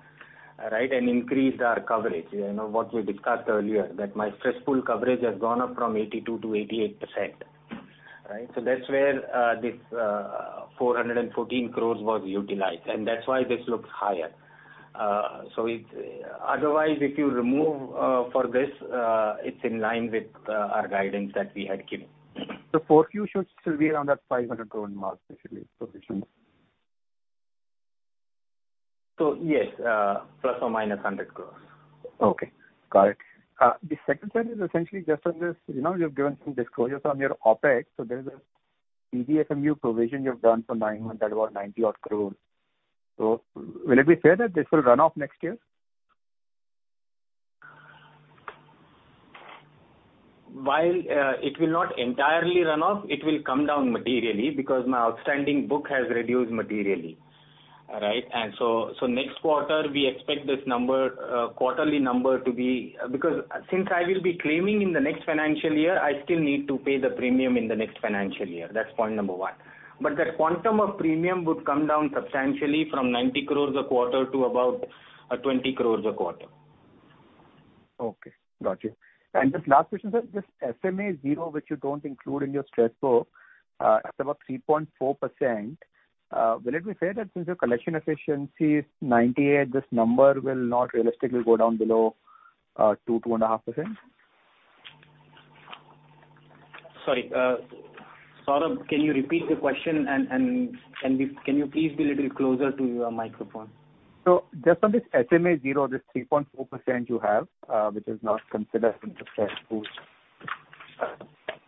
right. Increased our coverage. You know, what we discussed earlier, that my stress pool coverage has gone up from 82% to 88%. Right. That's where this 414 crores was utilized, and that's why this looks higher. otherwise, if you remove, for this, it's in line with our guidance that we had given. The 4Q should still be around that 500 crore mark, basically, provisions. Yes, ± 100 crores. Okay. Got it. The second set is essentially just on this. You know, you've given some disclosures on your OpEx. There's a CGFMU provision you've done for 9 months at about 90 odd crore. Will it be fair that this will run off next year? While it will not entirely run off, it will come down materially because my outstanding book has reduced materially. All right? Next quarter we expect this number, quarterly number to be... Since I will be claiming in the next financial year, I still need to pay the premium in the next financial year. That's point number one. That quantum of premium would come down substantially from 90 crore a quarter to about, 20 crore a quarter. Okay. Got you. Just last question, sir. This SMA-0, which you don't include in your stress book, it's about 3.4%. Will it be fair that since your collection efficiency is 98, this number will not realistically go down below 2.5%? Sorry, Saurabh, can you repeat the question? Can you please be a little closer to your microphone? just on this SMA-0, this 3.4% you have, which is not considered in the stress pool.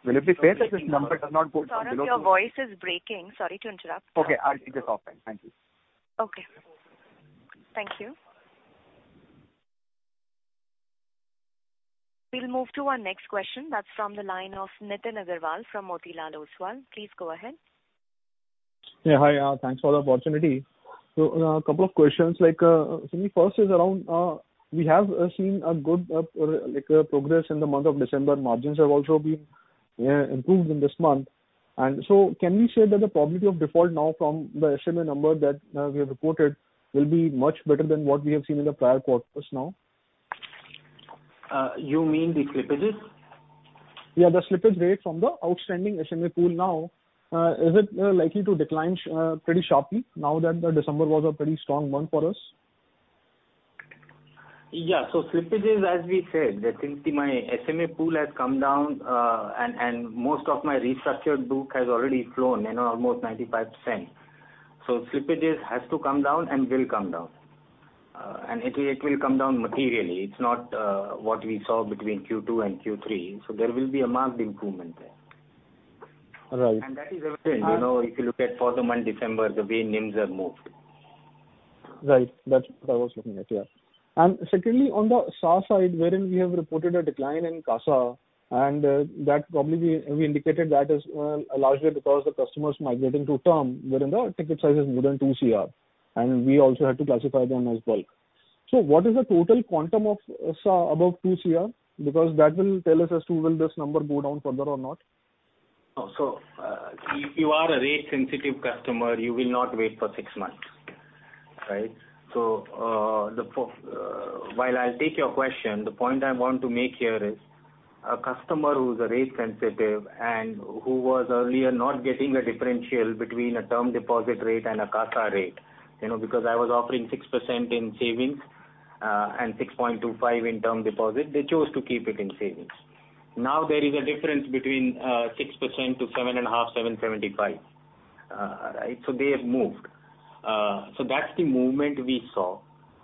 will it be fair that this number does not go below two- Saurabh, your voice is breaking. Sorry to interrupt. Okay. I'll take this offline. Thank you. Okay. Thank you. We'll move to our next question. That's from the line of Nitin Aggarwal from Motilal Oswal. Please go ahead. Yeah. Hi. Thanks for the opportunity. Couple of questions, like, Sunil first is around, we have seen a good, like a progress in the month of December. Margins have also been improved in this month. Can we say that the probability of default now from the SMA number that, we have reported will be much better than what we have seen in the prior quarters now? You mean the slippages? Yeah, the slippage rate from the outstanding SMA pool now, is it likely to decline pretty sharply now that the December was a pretty strong month for us? Yeah. Slippages, as we said, I think my SMA pool has come down, and most of my restructured book has already flown, you know, almost 95%. Slippages has to come down and will come down. And it will come down materially. It's not what we saw between Q2 and Q3. There will be a marked improvement there. Right. That is evident, you know, if you look at for the month December, the way NIMs have moved. Right. That's what I was looking at. Yeah. Secondly, on the SA side, wherein we have reported a decline in CASA, and that probably we indicated that is largely because the customers migrating to term wherein the ticket size is more than 2 crore, and we also had to classify them as bulk. What is the total quantum of SA above 2 crore? Because that will tell us as to will this number go down further or not. If you are a rate sensitive customer, you will not wait for six months. Right? while I'll take your question, the point I want to make here is a customer who's a rate sensitive and who was earlier not getting a differential between a term deposit rate and a CASA rate, you know, because I was offering 6% in savings and 6.25% in term deposit, they chose to keep it in savings. Now there is a difference between 6% to 7.5%, 7.75%. Right? They have moved. So that's the movement we saw.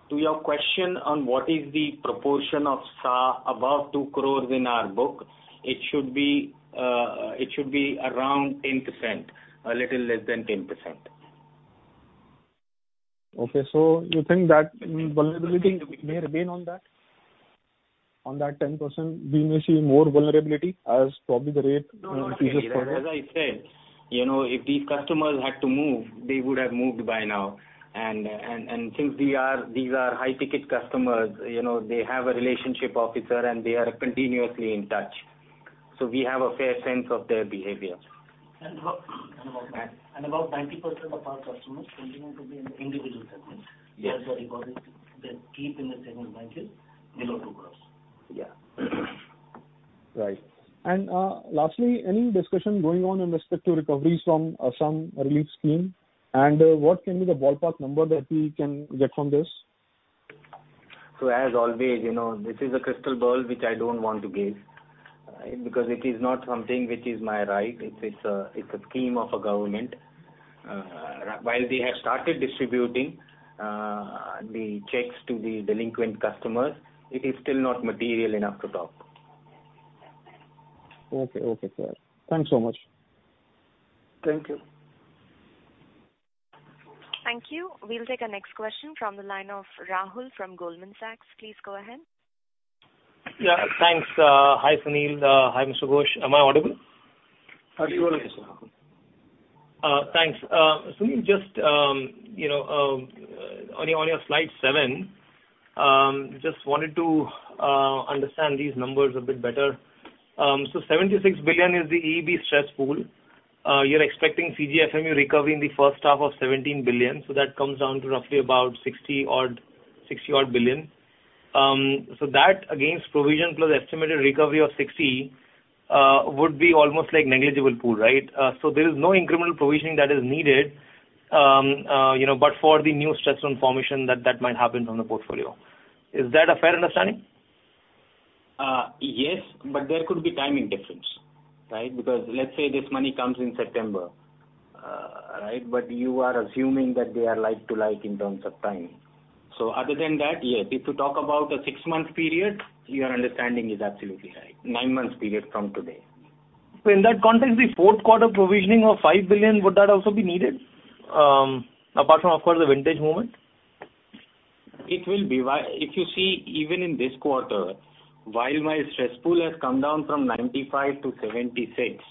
To your question on what is the proportion of SA above 2 crores in our book, it should be around 10%, a little less than 10%. Okay. you think that vulnerability may remain on that? On that 10% we may see more vulnerability as probably the rate increases further? No, not at all. As I said, you know, if these customers had to move, they would have moved by now. Since these are high ticket customers, you know, they have a relationship officer and they are continuously in touch. We have a fair sense of their behavior. About 90% of our customers continue to be in the individual segment. Yes. As the records they keep in the savings bank is below INR 2 crores. Yeah. Right. Lastly, any discussion going on in respect to recoveries from some relief scheme? What can be the ballpark number that we can get from this? As always, you know, this is a crystal ball which I don't want to gaze, right? Because it is not something which is my right. It's a scheme of a government. While they have started distributing the checks to the delinquent customers, it is still not material enough to talk. Okay. Okay. Fair. Thanks so much. Thank you. Thank you. We'll take our next question from the line of Rahul from Goldman Sachs. Please go ahead. Yeah. Thanks. Hi, Sunil. Hi, Mr. Ghosh. Am I audible? How are you doing, Rahul? Thanks. Sunil, just, you know, on your slide seven, just wanted to understand these numbers a bit better. 76 billion is the EEB stress pool. You're expecting CGFMU recovery in the 1st half of 17 billion, so that comes down to roughly about 60 odd billion. That against provision plus estimated recovery of 60 billion, would be almost like negligible pool, right? There is no incremental provisioning that is needed, you know, but for the new stress information that might happen on the portfolio. Is that a fair understanding? Yes, there could be timing difference, right? Let's say this money comes in September, right? You are assuming that they are like to like in terms of time. Other than that, yes. If you talk about a six-month period, your understanding is absolutely right. Nine months period from today. In that context, the fourth quarter provisioning of 5 billion, would that also be needed, apart from of course the vintage movement? It will be. If you see even in this quarter, while my stress pool has come down from 95 to 76,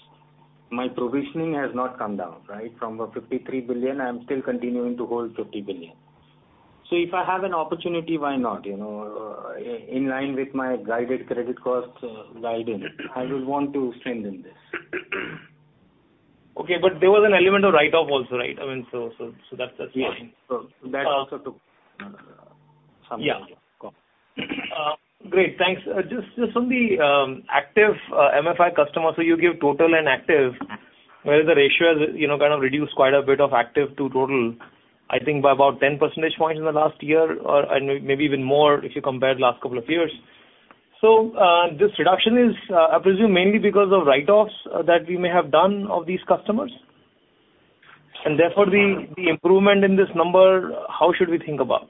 my provisioning has not come down, right? From 53 billion, I am still continuing to hold 50 billion. If I have an opportunity, why not, you know? In line with my guided credit cost guidance, I will want to strengthen this. Okay. There was an element of write-off also, right? I mean, so that's fine. Yeah. That also took some time. Yeah. Great. Thanks. Just, just on the active MFI customers, so you give total and active, whereas the ratio has, you know, kind of reduced quite a bit of active to total, I think by about 10 percentage points in the last year or, and maybe even more if you compare last couple of years. This reduction is, I presume, mainly because of write-offs that we may have done of these customers? Therefore the improvement in this number, how should we think about?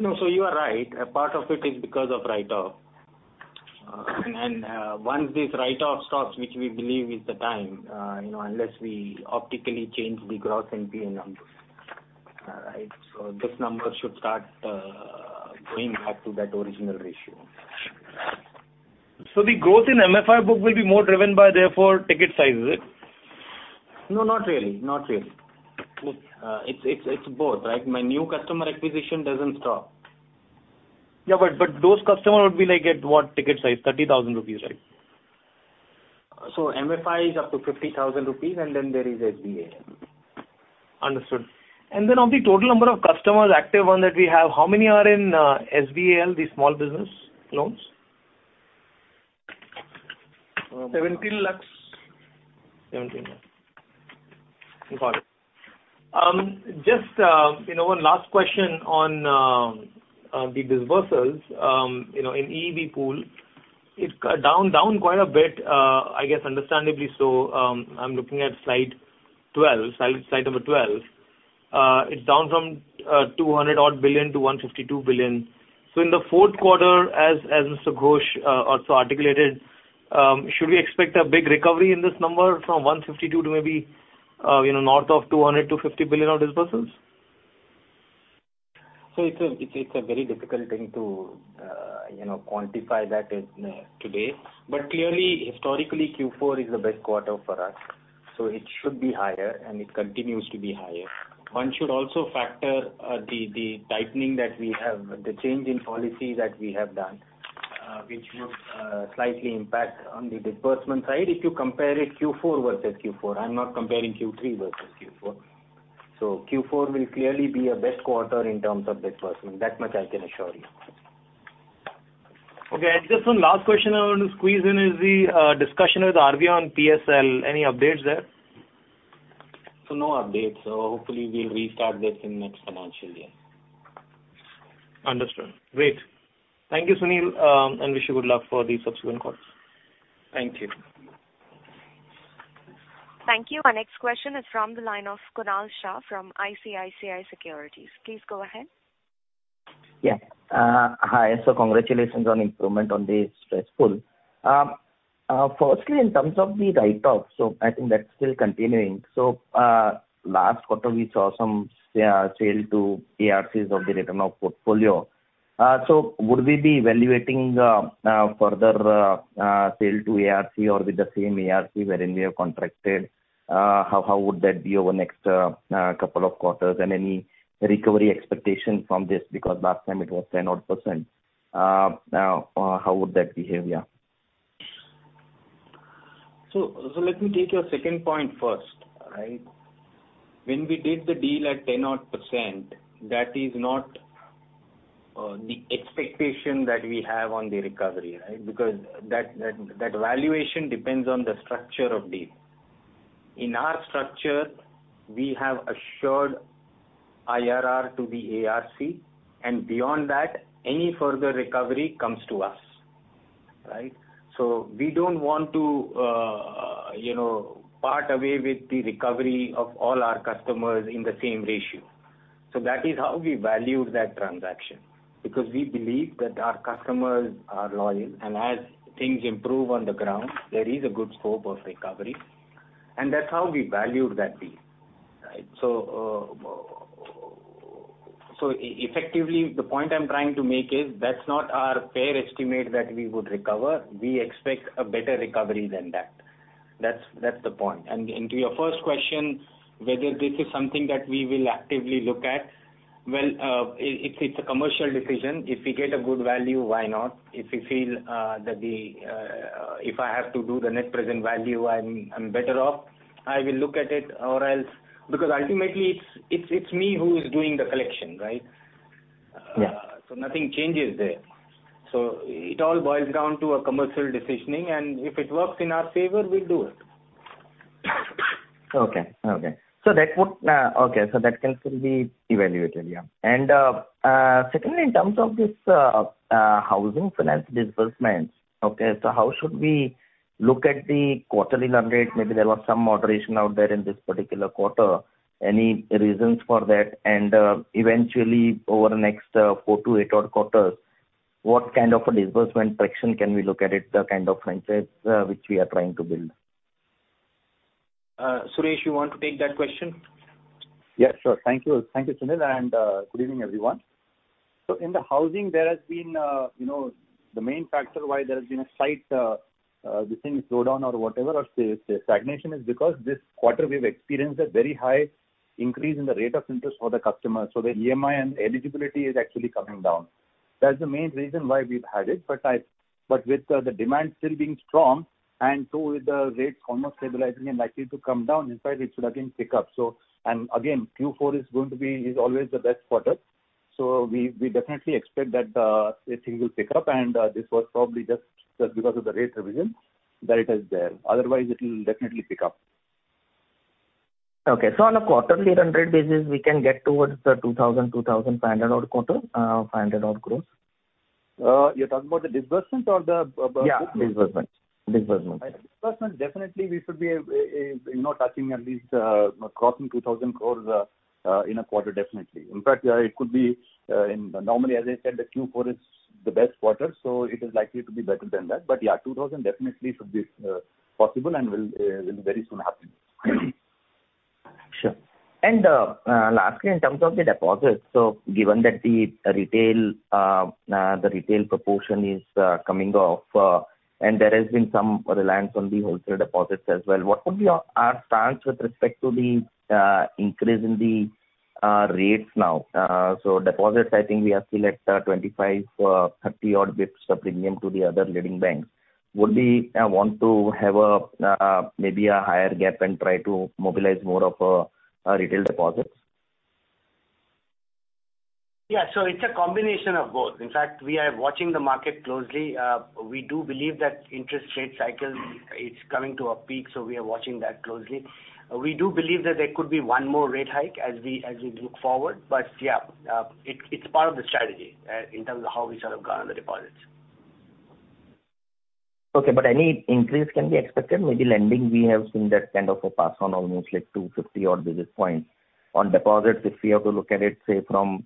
No. You are right. A part of it is because of write-off. Once this write-off stops, which we believe is the time, you know, unless we optically change the gross NPA numbers, all right? This number should start, going back to that original ratio. The growth in MFI book will be more driven by therefore ticket size, is it? No, not really. Not really. It's both, right? My new customer acquisition doesn't stop. Yeah, those customer would be like at what ticket size? 30,000 rupees, right? MFI is up to 50,000 rupees and then there is SBAL. Understood. Of the total number of customers, active one that we have, how many are in, SBAL, the small business loans? INR 17 lakhs. INR 17 lakhs. Got it. Just, you know, one last question on the disbursements. You know, in EEB pool, it's down quite a bit, I guess understandably so. I'm looking at slide 12. Slide number 12. It's down from 200 odd billion to 152 billion. In the fourth quarter, as Mr. Ghosh also articulated, should we expect a big recovery in this number from 152 to maybe, you know, north of 200 billion-50 billion of disbursements? It's a very difficult thing to, you know, quantify that in today. Clearly, historically, Q4 is the best quarter for us, so it should be higher and it continues to be higher. One should also factor the tightening that we have, the change in policy that we have done, which would slightly impact on the disbursement side if you compare it Q4 versus Q4. I'm not comparing Q3 versus Q4. Q4 will clearly be a best quarter in terms of disbursement. That much I can assure you. Okay. Just one last question I want to squeeze in is the discussion with RBI on PSL. Any updates there? No updates. Hopefully we'll restart this in next financial year. Understood. Great. Thank you, Sunil. Wish you good luck for the subsequent calls. Thank you. Thank you. Our next question is from the line of Kunal Shah from ICICI Securities. Please go ahead. Yeah. Hi. Congratulations on improvement on the stress pool. Firstly, in terms of the write-off, I think that's still continuing. Last quarter, we saw some sale to ARCs of the return of portfolio. Would we be evaluating further sale to ARC or with the same ARC wherein we have contracted? How would that be over next couple of quarters? And any recovery expectation from this? Because last time it was 10 odd %. How would that behave? Yeah. Let me take your second point first, right? When we did the deal at 10 odd %, that is not the expectation that we have on the recovery, right? Because that valuation depends on the structure of deal. In our structure, we have assured IRR to the ARC, and beyond that, any further recovery comes to us, right? We don't want to, you know, part away with the recovery of all our customers in the same ratio. That is how we valued that transaction, because we believe that our customers are loyal and as things improve on the ground, there is a good scope of recovery and that's how we valued that deal, right? Effectively, the point I'm trying to make is that's not our fair estimate that we would recover. We expect a better recovery than that. That's the point. To your first question, whether this is something that we will actively look at, well, it's a commercial decision. If we get a good value, why not? If we feel that the, if I have to do the net present value, I'm better off, I will look at it or else. Ultimately it's me who is doing the collection, right? Yeah. Nothing changes there. It all boils down to a commercial decisioning, and if it works in our favor, we'll do it. Okay. Okay. That can still be evaluated. Yeah. Secondly, in terms of this, housing finance disbursements, okay, how should we look at the quarterly run rate? Maybe there was some moderation out there in this particular quarter. Any reasons for that? Eventually, over the next, 4 to 8 odd quarters, what kind of a disbursement fraction can we look at it, the kind of franchise, which we are trying to build? Suresh, you want to take that question? Yeah, sure. Thank you. Thank you, Sunil, and good evening, everyone. In the housing, there has been, you know, the main factor why there has been a slight between slowdown or whatever or stagnation is because this quarter we've experienced a very high increase in the rate of interest for the customers. The EMI and eligibility is actually coming down. That's the main reason why we've had it. But with the demand still being strong and too with the rates almost stabilizing and likely to come down, in fact, it should again pick up. Again, Q4 is going to be, is always the best quarter. We definitely expect that it will pick up and this was probably just because of the rate revision that it is there. Otherwise, it will definitely pick up. Okay. on a quarterly run rate basis, we can get towards the 2,000, 2,500 odd quarter, 500 odd growth. you're talking about the disbursements or the? Yeah. Disbursement. Disbursement. Disbursement, definitely we should be, you know, touching at least, crossing 2,000 crore in a quarter, definitely. It could be. Normally, as I said, the Q4 is the best quarter, so it is likely to be better than that. Yeah, 2,000 definitely should be possible and will very soon happen. terms of the deposits, given that the Retail proportion is coming off, and there has been some reliance on the wholesale deposits as well, what would be our stance with respect to the increase in the rates now? Deposits, I think we are still at 25-30 odd basis points premium to the other leading banks. Would we want to have maybe a higher gap and try to mobilize more of Retail deposits? It's a combination of both. In fact, we are watching the market closely. We do believe that interest rate cycle is coming to a peak, so we are watching that closely. We do believe that there could be one more rate hike as we, as we look forward. Yeah, it's part of the strategy, in terms of how we sort of go on the deposits. Any increase can be expected. Maybe lending, we have seen that kind of a pass on almost like 250 odd basis points. On deposits, if we have to look at it, say from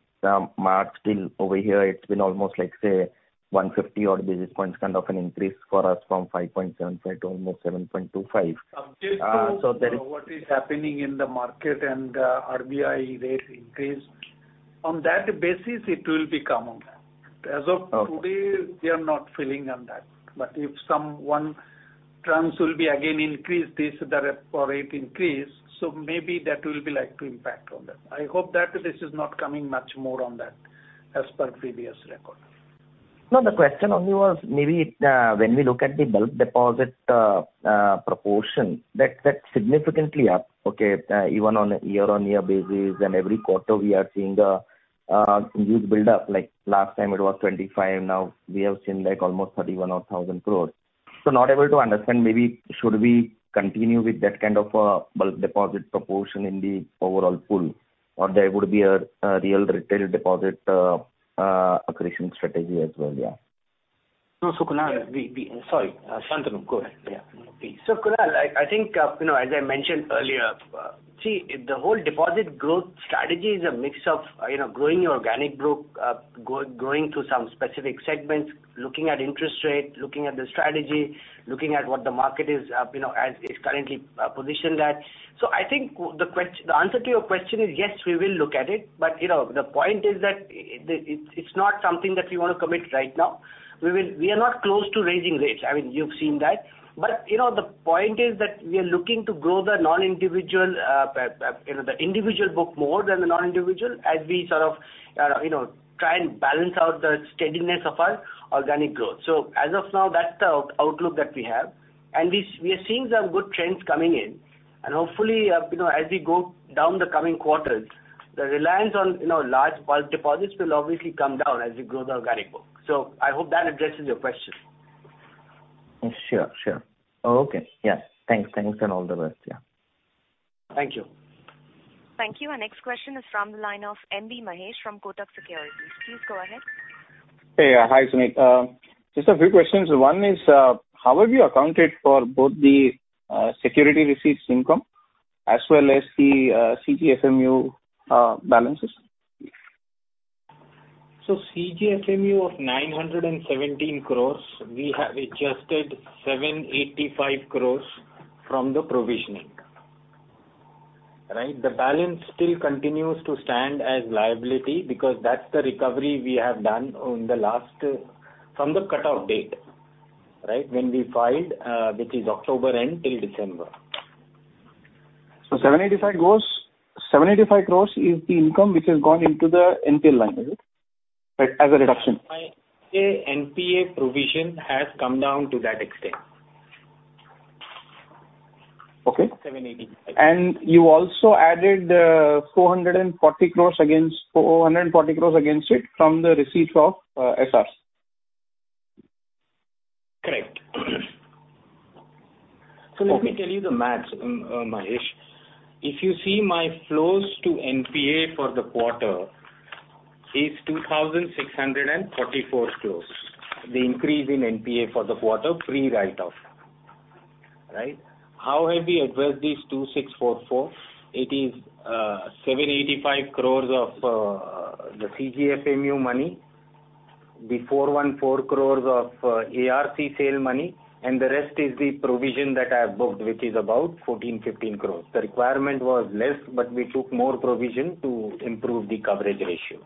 March till over here, it's been almost like, say, 150 odd basis points kind of an increase for us from 5.75 to almost 7.25. Update to what is happening in the market and RBI rate increase. On that basis, it will be common. Okay. As of today, we are not feeling on that. If some one tranche will be again increased this, the repo rate increase, maybe that will be like to impact on that. I hope that this is not coming much more on that as per previous record. No, the question only was maybe, when we look at the bulk deposit proportion that's significantly up, okay, even on a year-on-year basis, and every quarter we are seeing a huge build-up. Like last time it was 25, now we have seen like almost 31 odd thousand crores. Not able to understand maybe should we continue with that kind of a bulk deposit proportion in the overall pool, or there would be a real Retail deposit accretion strategy as well, yeah. No, Kunal, sorry, Shantanu, go ahead. Yeah. Please. Kunal, I think, you know, as I mentioned earlier, see, the whole deposit growth strategy is a mix of, you know, growing your organic book, growing through some specific segments, looking at interest rate, looking at the strategy, looking at what the market is, you know, as is currently, positioned at. I think the answer to your question is, yes, we will look at it. You know, the point is that it's not something that we wanna commit right now. We are not close to raising rates. I mean, you've seen that. You know, the point is that we are looking to grow the non-individual, you know, the individual book more than the non-individual as we sort of, you know, try and balance out the steadiness of our organic growth. As of now, that's the outlook that we have. We are seeing some good trends coming in. Hopefully, you know, as we go down the coming quarters, the reliance on, you know, large bulk deposits will obviously come down as we grow the organic book. I hope that addresses your question. Sure. Okay. Yeah. Thanks and all the best. Yeah. Thank you. Thank you. Our next question is from the line of M. B. Mahesh from Kotak Securities. Please go ahead. Hey. Hi, Sunil. Just a few questions. One is, how have you accounted for both the Security Receipts income as well as the CGFMU balances? CGFMU of 917 crores, we have adjusted 785 crores from the provisioning. Right? The balance still continues to stand as liability because that's the recovery we have done on the last, from the cutoff date. Right? When we filed, which is October end till December. 785 crores is the income which has gone into the NPA line, is it? Right, as a reduction. My NPA provision has come down to that extent. Okay. 785. you also added, 440 crores against it from the receipt of, SRs. Correct. Okay. Let me tell you the maths, Mahesh. If you see my flows to NPA for the quarter is 2,644 crores. The increase in NPA for the quarter pre-write-off, right? How have we addressed these 2,644? It is 785 crores of the CGFMU money, the 414 crores of ARC sale money, and the rest is the provision that I have booked, which is about 14, 15 crores. The requirement was less, we took more provision to improve the coverage ratio.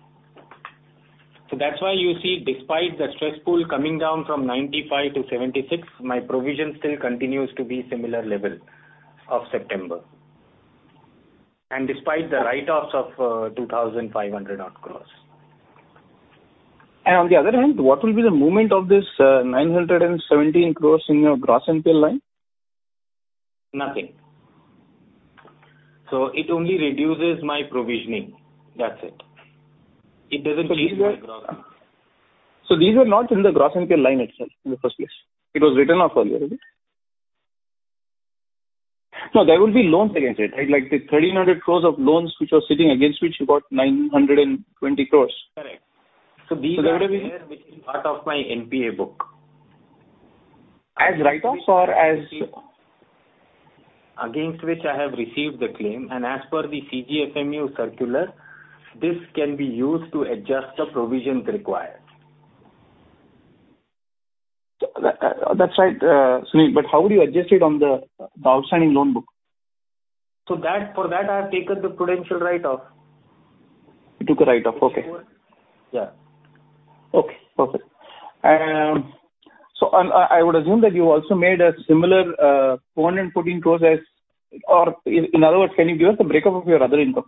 That's why you see despite the stress pool coming down from 95 to 76, my provision still continues to be similar level of September and despite the write-offs of 2,500 odd crores. On the other hand, what will be the movement of this, 917 crore in your gross NPA line? Nothing. It only reduces my provisioning. That's it. It doesn't change my gross NPA. These were not in the gross NPA line itself in the first place. It was written off earlier. There will be loans against it, right? Like the 1,300 crores of loans which were sitting against which you got 920 crores. Correct. these are. There will be. which is part of my NPA book. As write-off or. Against which I have received the claim and as per the CGFMU circular, this can be used to adjust the provisions required. That's right, Sunil, how would you adjust it on the outstanding loan book? For that, I have taken the prudential write-off. You took a write-off. Okay. Yeah. Okay. Perfect. I would assume that you also made a similar, 414 crores, or in other words, can you give us a breakup of your other income?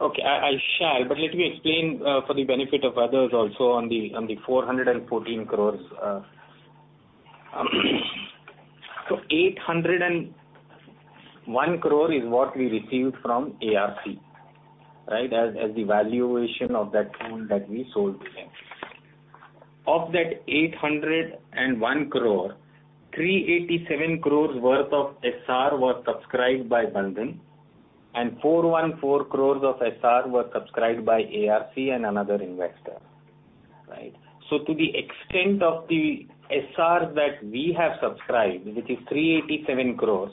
Okay. I shall. Let me explain for the benefit of others also on the 414 crores. 801 crore is what we received from ARC, right? As the valuation of that loan that we sold to them. Of that 801 crore, 387 crores worth of SR was subscribed by Bandhan and 414 crores of SR was subscribed by ARC and another investor, right? To the extent of the SR that we have subscribed, which is 387 crores,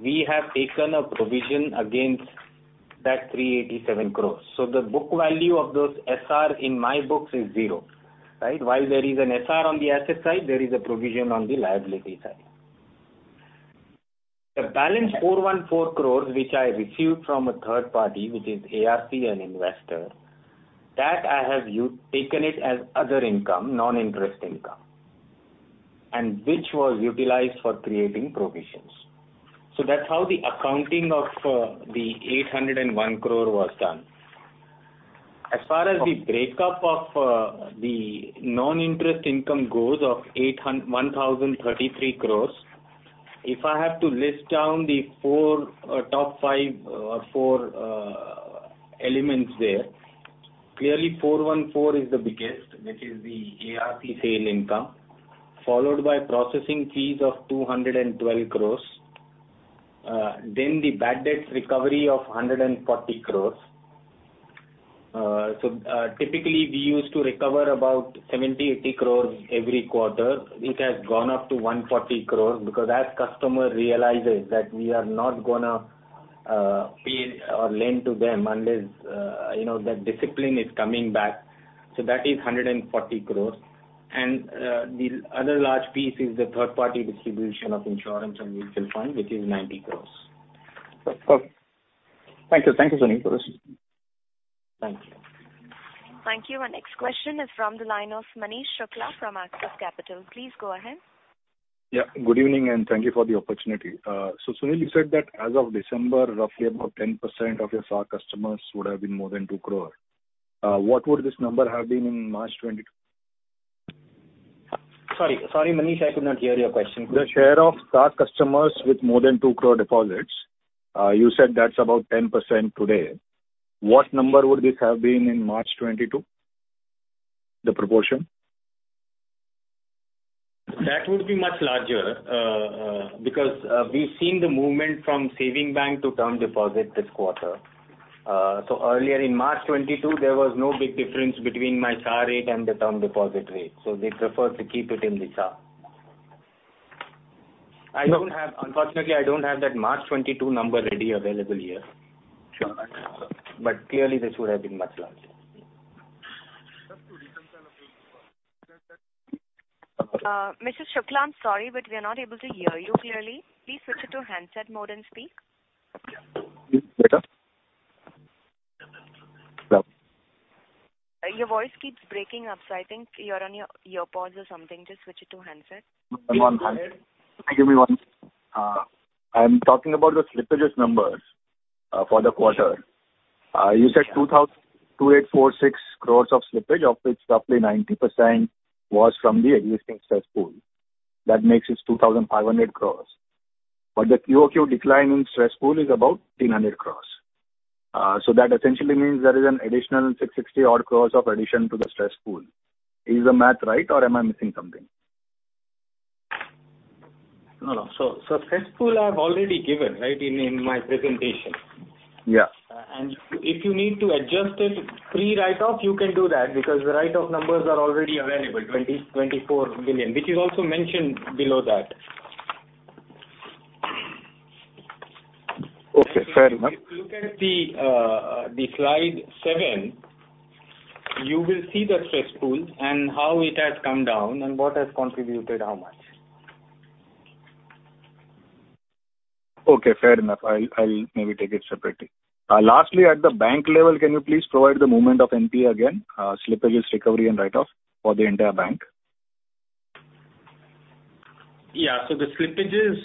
we have taken a provision against that 387 crores. The book value of those SR in my books is 0, right? While there is an SR on the asset side, there is a provision on the liability side. The balance 414 crores which I received from a third party, which is ARC and investor, that I have taken it as other income, non-interest income, which was utilized for creating provisions. That's how the accounting of the 801 crore was done. As far as the break up of the non-interest income goes of 1,033 crores, if I have to list down the four or top five or four elements there, clearly 414 is the biggest, which is the ARC sale income, followed by processing fees of 212 crores. The bad debts recovery of 140 crores. Typically we used to recover about 70-80 crores every quarter. It has gone up to 140 crores because as customer realizes that we are not gonna pay or lend to them unless, you know, that discipline is coming back. That is 140 crores. The other large piece is the third party distribution of insurance and mutual fund, which is 90 crores. Okay. Thank you. Thank you, Sunil. Thank you. Thank you. Our next question is from the line of Manish Shukla from Axis Capital. Please go ahead. Yeah, good evening, and thank you for the opportunity. Sunil, you said that as of December, roughly about 10% of your Retail customers would have been more than 2 crore. What would this number have been in March 2022? Sorry, sorry, Manish, I could not hear your question. The share of Retail customers with more than 2 crore deposits, you said that's about 10% today. What number would this have been in March 2022? The proportion. That would be much larger, because, we've seen the movement from saving bank to term deposit this quarter. So earlier in March 2022, there was no big difference between my Retail rate and the term deposit rate, so they prefer to keep it in the Retail. Unfortunately, I don't have that March 2022 number ready available here. Sure. Clearly, this would have been much larger. Mr. Shukla, I'm sorry, but we are not able to hear you clearly. Please switch it to handset mode and speak. Please wait up. Your voice keeps breaking up, so I think you're on your earpods or something. Just switch it to handset. Give me one second. I'm talking about the slippages numbers for the quarter. You said 2,846 crores of slippage, of which roughly 90% was from the existing stress pool. That makes it 2,500 crores. The QOQ decline in stress pool is about 300 crores. That essentially means there is an additional 660 odd crores of addition to the stress pool. Is the math right or am I missing something? No, no. Stress pool I've already given, right, in my presentation. Yeah. If you need to adjust it pre write-off, you can do that because the write-off numbers are already available, 20 million, 24 million, which is also mentioned below that. Okay, fair enough. If you look at the slide seven, you will see the stress pool and how it has come down and what has contributed how much. Okay, fair enough. I'll maybe take it separately. Lastly, at the bank level, can you please provide the movement of NPA again, slippages, recovery, and write-off for the entire bank? The slippages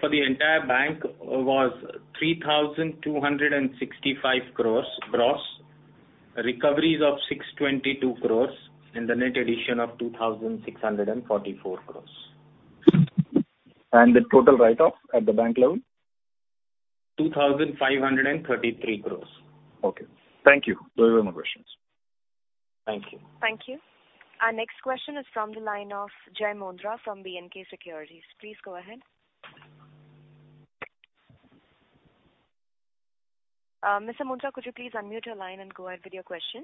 for the entire bank was 3,265 crores gross, recoveries of 622 crores, and the net addition of 2,644 crores. The total write-off at the bank level? 2,533 crores. Okay. Thank you. Those are my questions. Thank you. Thank you. Our next question is from the line of Jai Mundhra from B&K Securities. Please go ahead. Mr. Mundra, could you please unmute your line and go ahead with your question?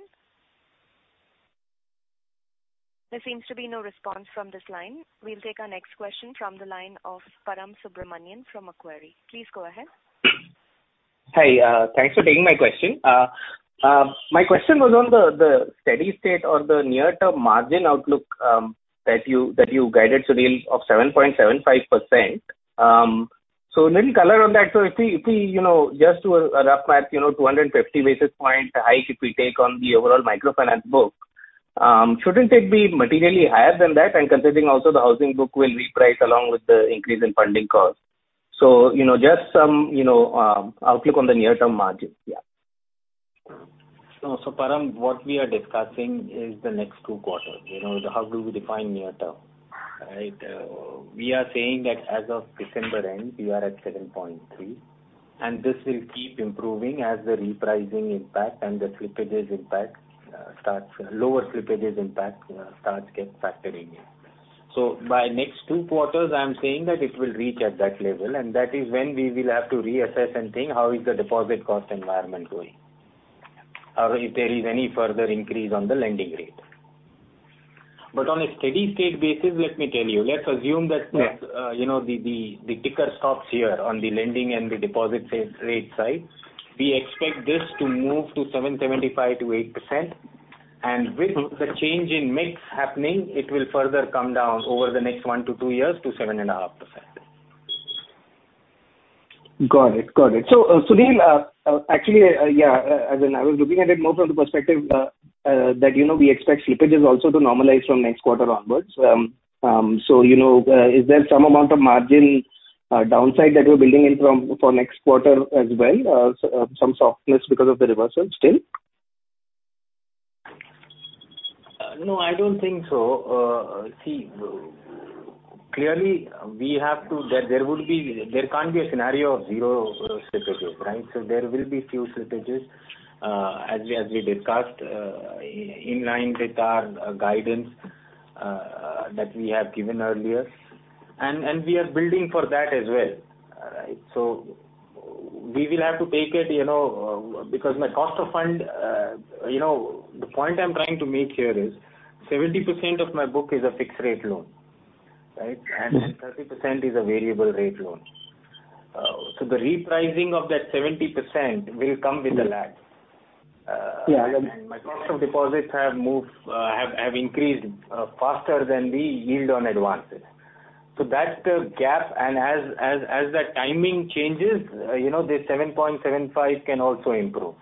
There seems to be no response from this line. We'll take our next question from the line of Param Subramanian from Macquarie. Please go ahead. Hi, thanks for taking my question. My question was on the steady state or the near-term margin outlook, that you guided, Sunil, of 7.75%. A little color on that. If we, you know, just do a rough math, you know, 250 basis point hike if we take on the overall microfinance book, shouldn't it be materially higher than that? Considering also the housing book will reprice along with the increase in funding costs. You know, just some outlook on the near-term margin. Yeah. Param, what we are discussing is the next two quarters. You know, how do we define near term, right? We are saying that as of December end, we are at 7.3, and this will keep improving as the repricing impact and the slippages impact, lower slippages impact starts get factoring in. By next two quarters, I am saying that it will reach at that level, and that is when we will have to reassess and think how is the deposit cost environment going or if there is any further increase on the lending rate. On a steady state basis, let me tell you, let's assume that. Yeah. you know, the, the ticker stops here on the lending and the deposit rate side. We expect this to move to 7.75%-8%, and with the change in mix happening, it will further come down over the next 1-2 years to 7.5%. Got it. Sunil, actually, yeah, as in I was looking at it more from the perspective that, you know, we expect slippages also to normalize from next quarter onwards. You know, is there some amount of margin downside that you're building in from, for next quarter as well? Some softness because of the reversal still? No, I don't think so. See, clearly we have to... There would be... There can't be a scenario of 0 slippages, right? There will be few slippages, as we discussed, in line with our guidance that we have given earlier. We are building for that as well. We will have to take it, you know, because my cost of fund, you know... The point I'm trying to make here is 70% of my book is a fixed rate loan, right? Mm-hmm. 30% is a variable rate loan. The repricing of that 70% will come with a lag. Yeah. My cost of deposits have moved, have increased faster than the yield on advances. That gap and as the timing changes, you know, this 7.75 can also improve.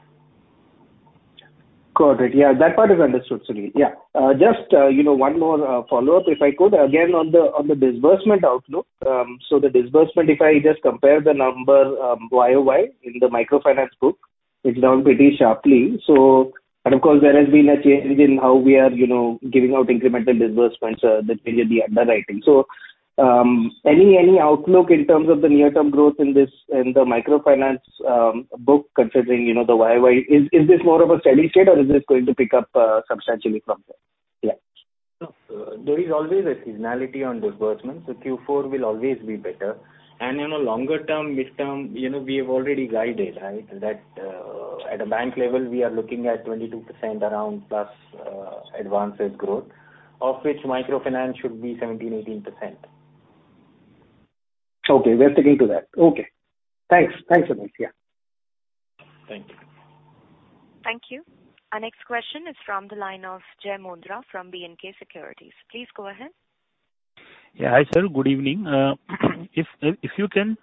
Got it. Yeah. That part is understood, Sunil. Yeah. just, you know, one more follow-up, if I could, again, on the disbursement outlook. The disbursement, if I just compare the number, YOY in the microfinance book, it's down pretty sharply. And of course, there has been a change in how we are, you know, giving out incremental disbursements, the change in the underwriting. Any outlook in terms of the near-term growth in this, in the microfinance book, considering, you know, the YOY? Is this more of a steady state or is this going to pick up substantially from here? Yeah. There is always a seasonality on disbursement. Q4 will always be better. You know, longer term, midterm, you know, we have already guided, right? At a bank level, we are looking at 22% around + advances growth, of which microfinance should be 17%-18%. Okay. We are sticking to that. Okay. Thanks. Thanks, Sunil. Yeah. Thank you. Thank you. Our next question is from the line of Jai Mundhra from B&K Securities. Please go ahead. Hi, sir. Good evening. If you can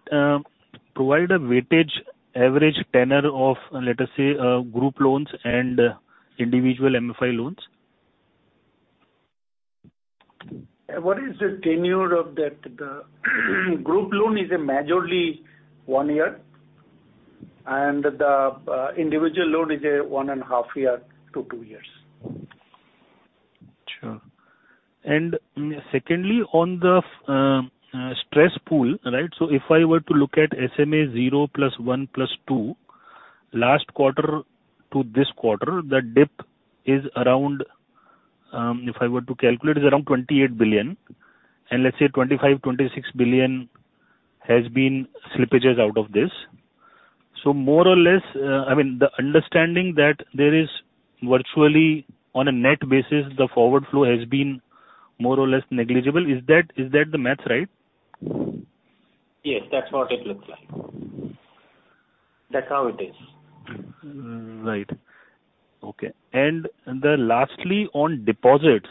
provide a weightage average tenor of, let us say, group loans and individual MFI loans? What is the tenure of that? The group loan is a majorly 1 year, and the individual loan is a 1.5-2 years. Sure. Secondly, on the stress pool, right? If I were to look at SMA zero plus one plus two, last quarter to this quarter, the dip is around, if I were to calculate, is around 28 billion. Let's say 25 billion-26 billion has been slippages out of this. More or less, I mean, the understanding that there is virtually on a net basis the forward flow has been more or less negligible. Is that, is that the math right? Yes. That's what it looks like. That's how it is. Right. Okay. Lastly, on deposits.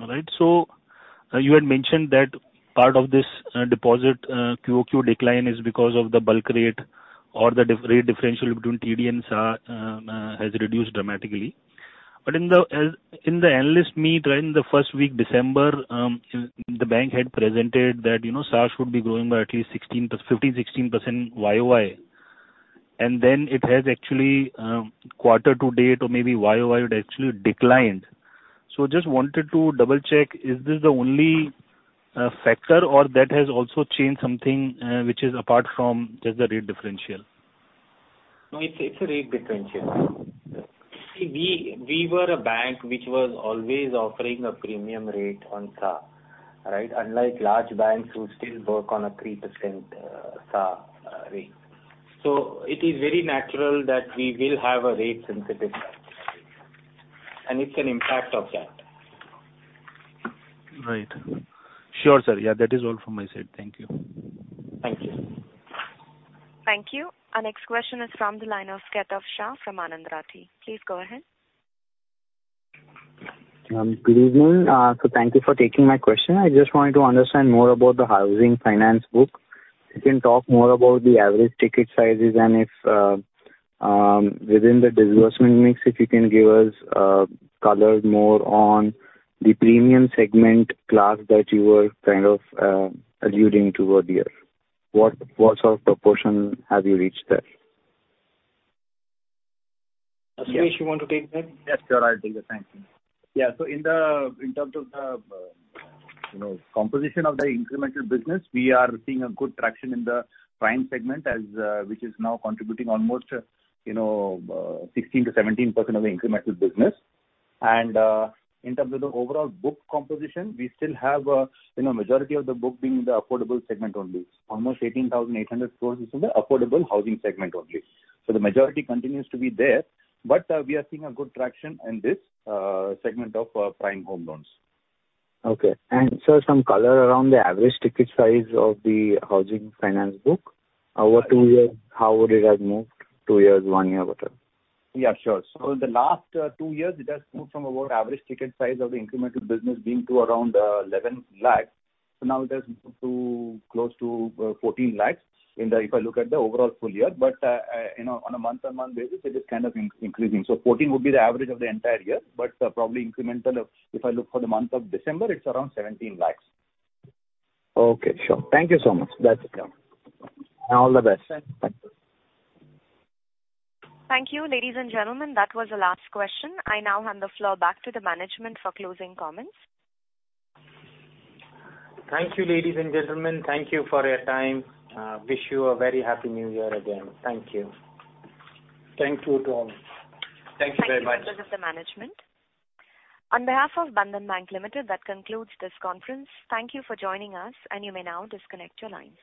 You had mentioned that part of this deposit QOQ decline is because of the bulk rate or the rate differential between TD and SA has reduced dramatically. In the analyst meet right in the first week December, the bank had presented that, you know, SA should be growing by at least 16%, 15%-16% YOY. It has actually quarter to date or maybe YOY it actually declined. Just wanted to double check, is this the only factor or that has also changed something which is apart from just the rate differential? No, it's a rate differential. We were a bank which was always offering a premium rate on SA, right? Unlike large banks who still work on a 3% SA rate. It is very natural that we will have a rate sensitivity, and it's an impact of that. Right. Sure, sir. Yeah. That is all from my side. Thank you. Thank you. Thank you. Our next question is from the line of Kaitav Shah from Anand Rathi. Please go ahead. Good evening. Thank you for taking my question. I just wanted to understand more about the Housing Finance book. You can talk more about the average ticket sizes and if, within the disbursement mix, if you can give us, colors more on the premium segment class that you were kind of, alluding toward here. What sort of proportion have you reached there? Ashish, you want to take that? Yes, sure. I'll take it. Thank you. Yeah. In the, in terms of the, you know, composition of the incremental business, we are seeing a good traction in the prime segment as, which is now contributing almost, you know, 16%-17% of the incremental business. In terms of the overall book composition, we still have, you know, majority of the book being the affordable segment only. Almost 18,800 crores is in the affordable housing segment only. The majority continues to be there, but we are seeing a good traction in this segment of prime home loans. Okay. Sir, some color around the average ticket size of the housing finance book. Over two years, how would it have moved? Two years, one year, whatever. Yeah, sure. In the last two years it has moved from about average ticket size of the incremental business being to around 11 lakhs. Now it has moved to close to 14 lakhs in the, if I look at the overall full year. You know, on a month-on-month basis it is kind of increasing. 14 would be the average of the entire year, but probably incremental, if I look for the month of December, it's around 17 lakhs. Okay, sure. Thank you so much. That's it. All the best. Thanks. Thank you. Thank you, ladies and gentlemen. That was the last question. I now hand the floor back to the management for closing comments. Thank you, ladies and gentlemen. Thank you for your time. Wish you a very Happy New Year again. Thank you. Thank you to all. Thank you very much. Thank you, members of the management. On behalf of Bandhan Bank Limited, that concludes this conference. Thank you for joining us and you may now disconnect your lines.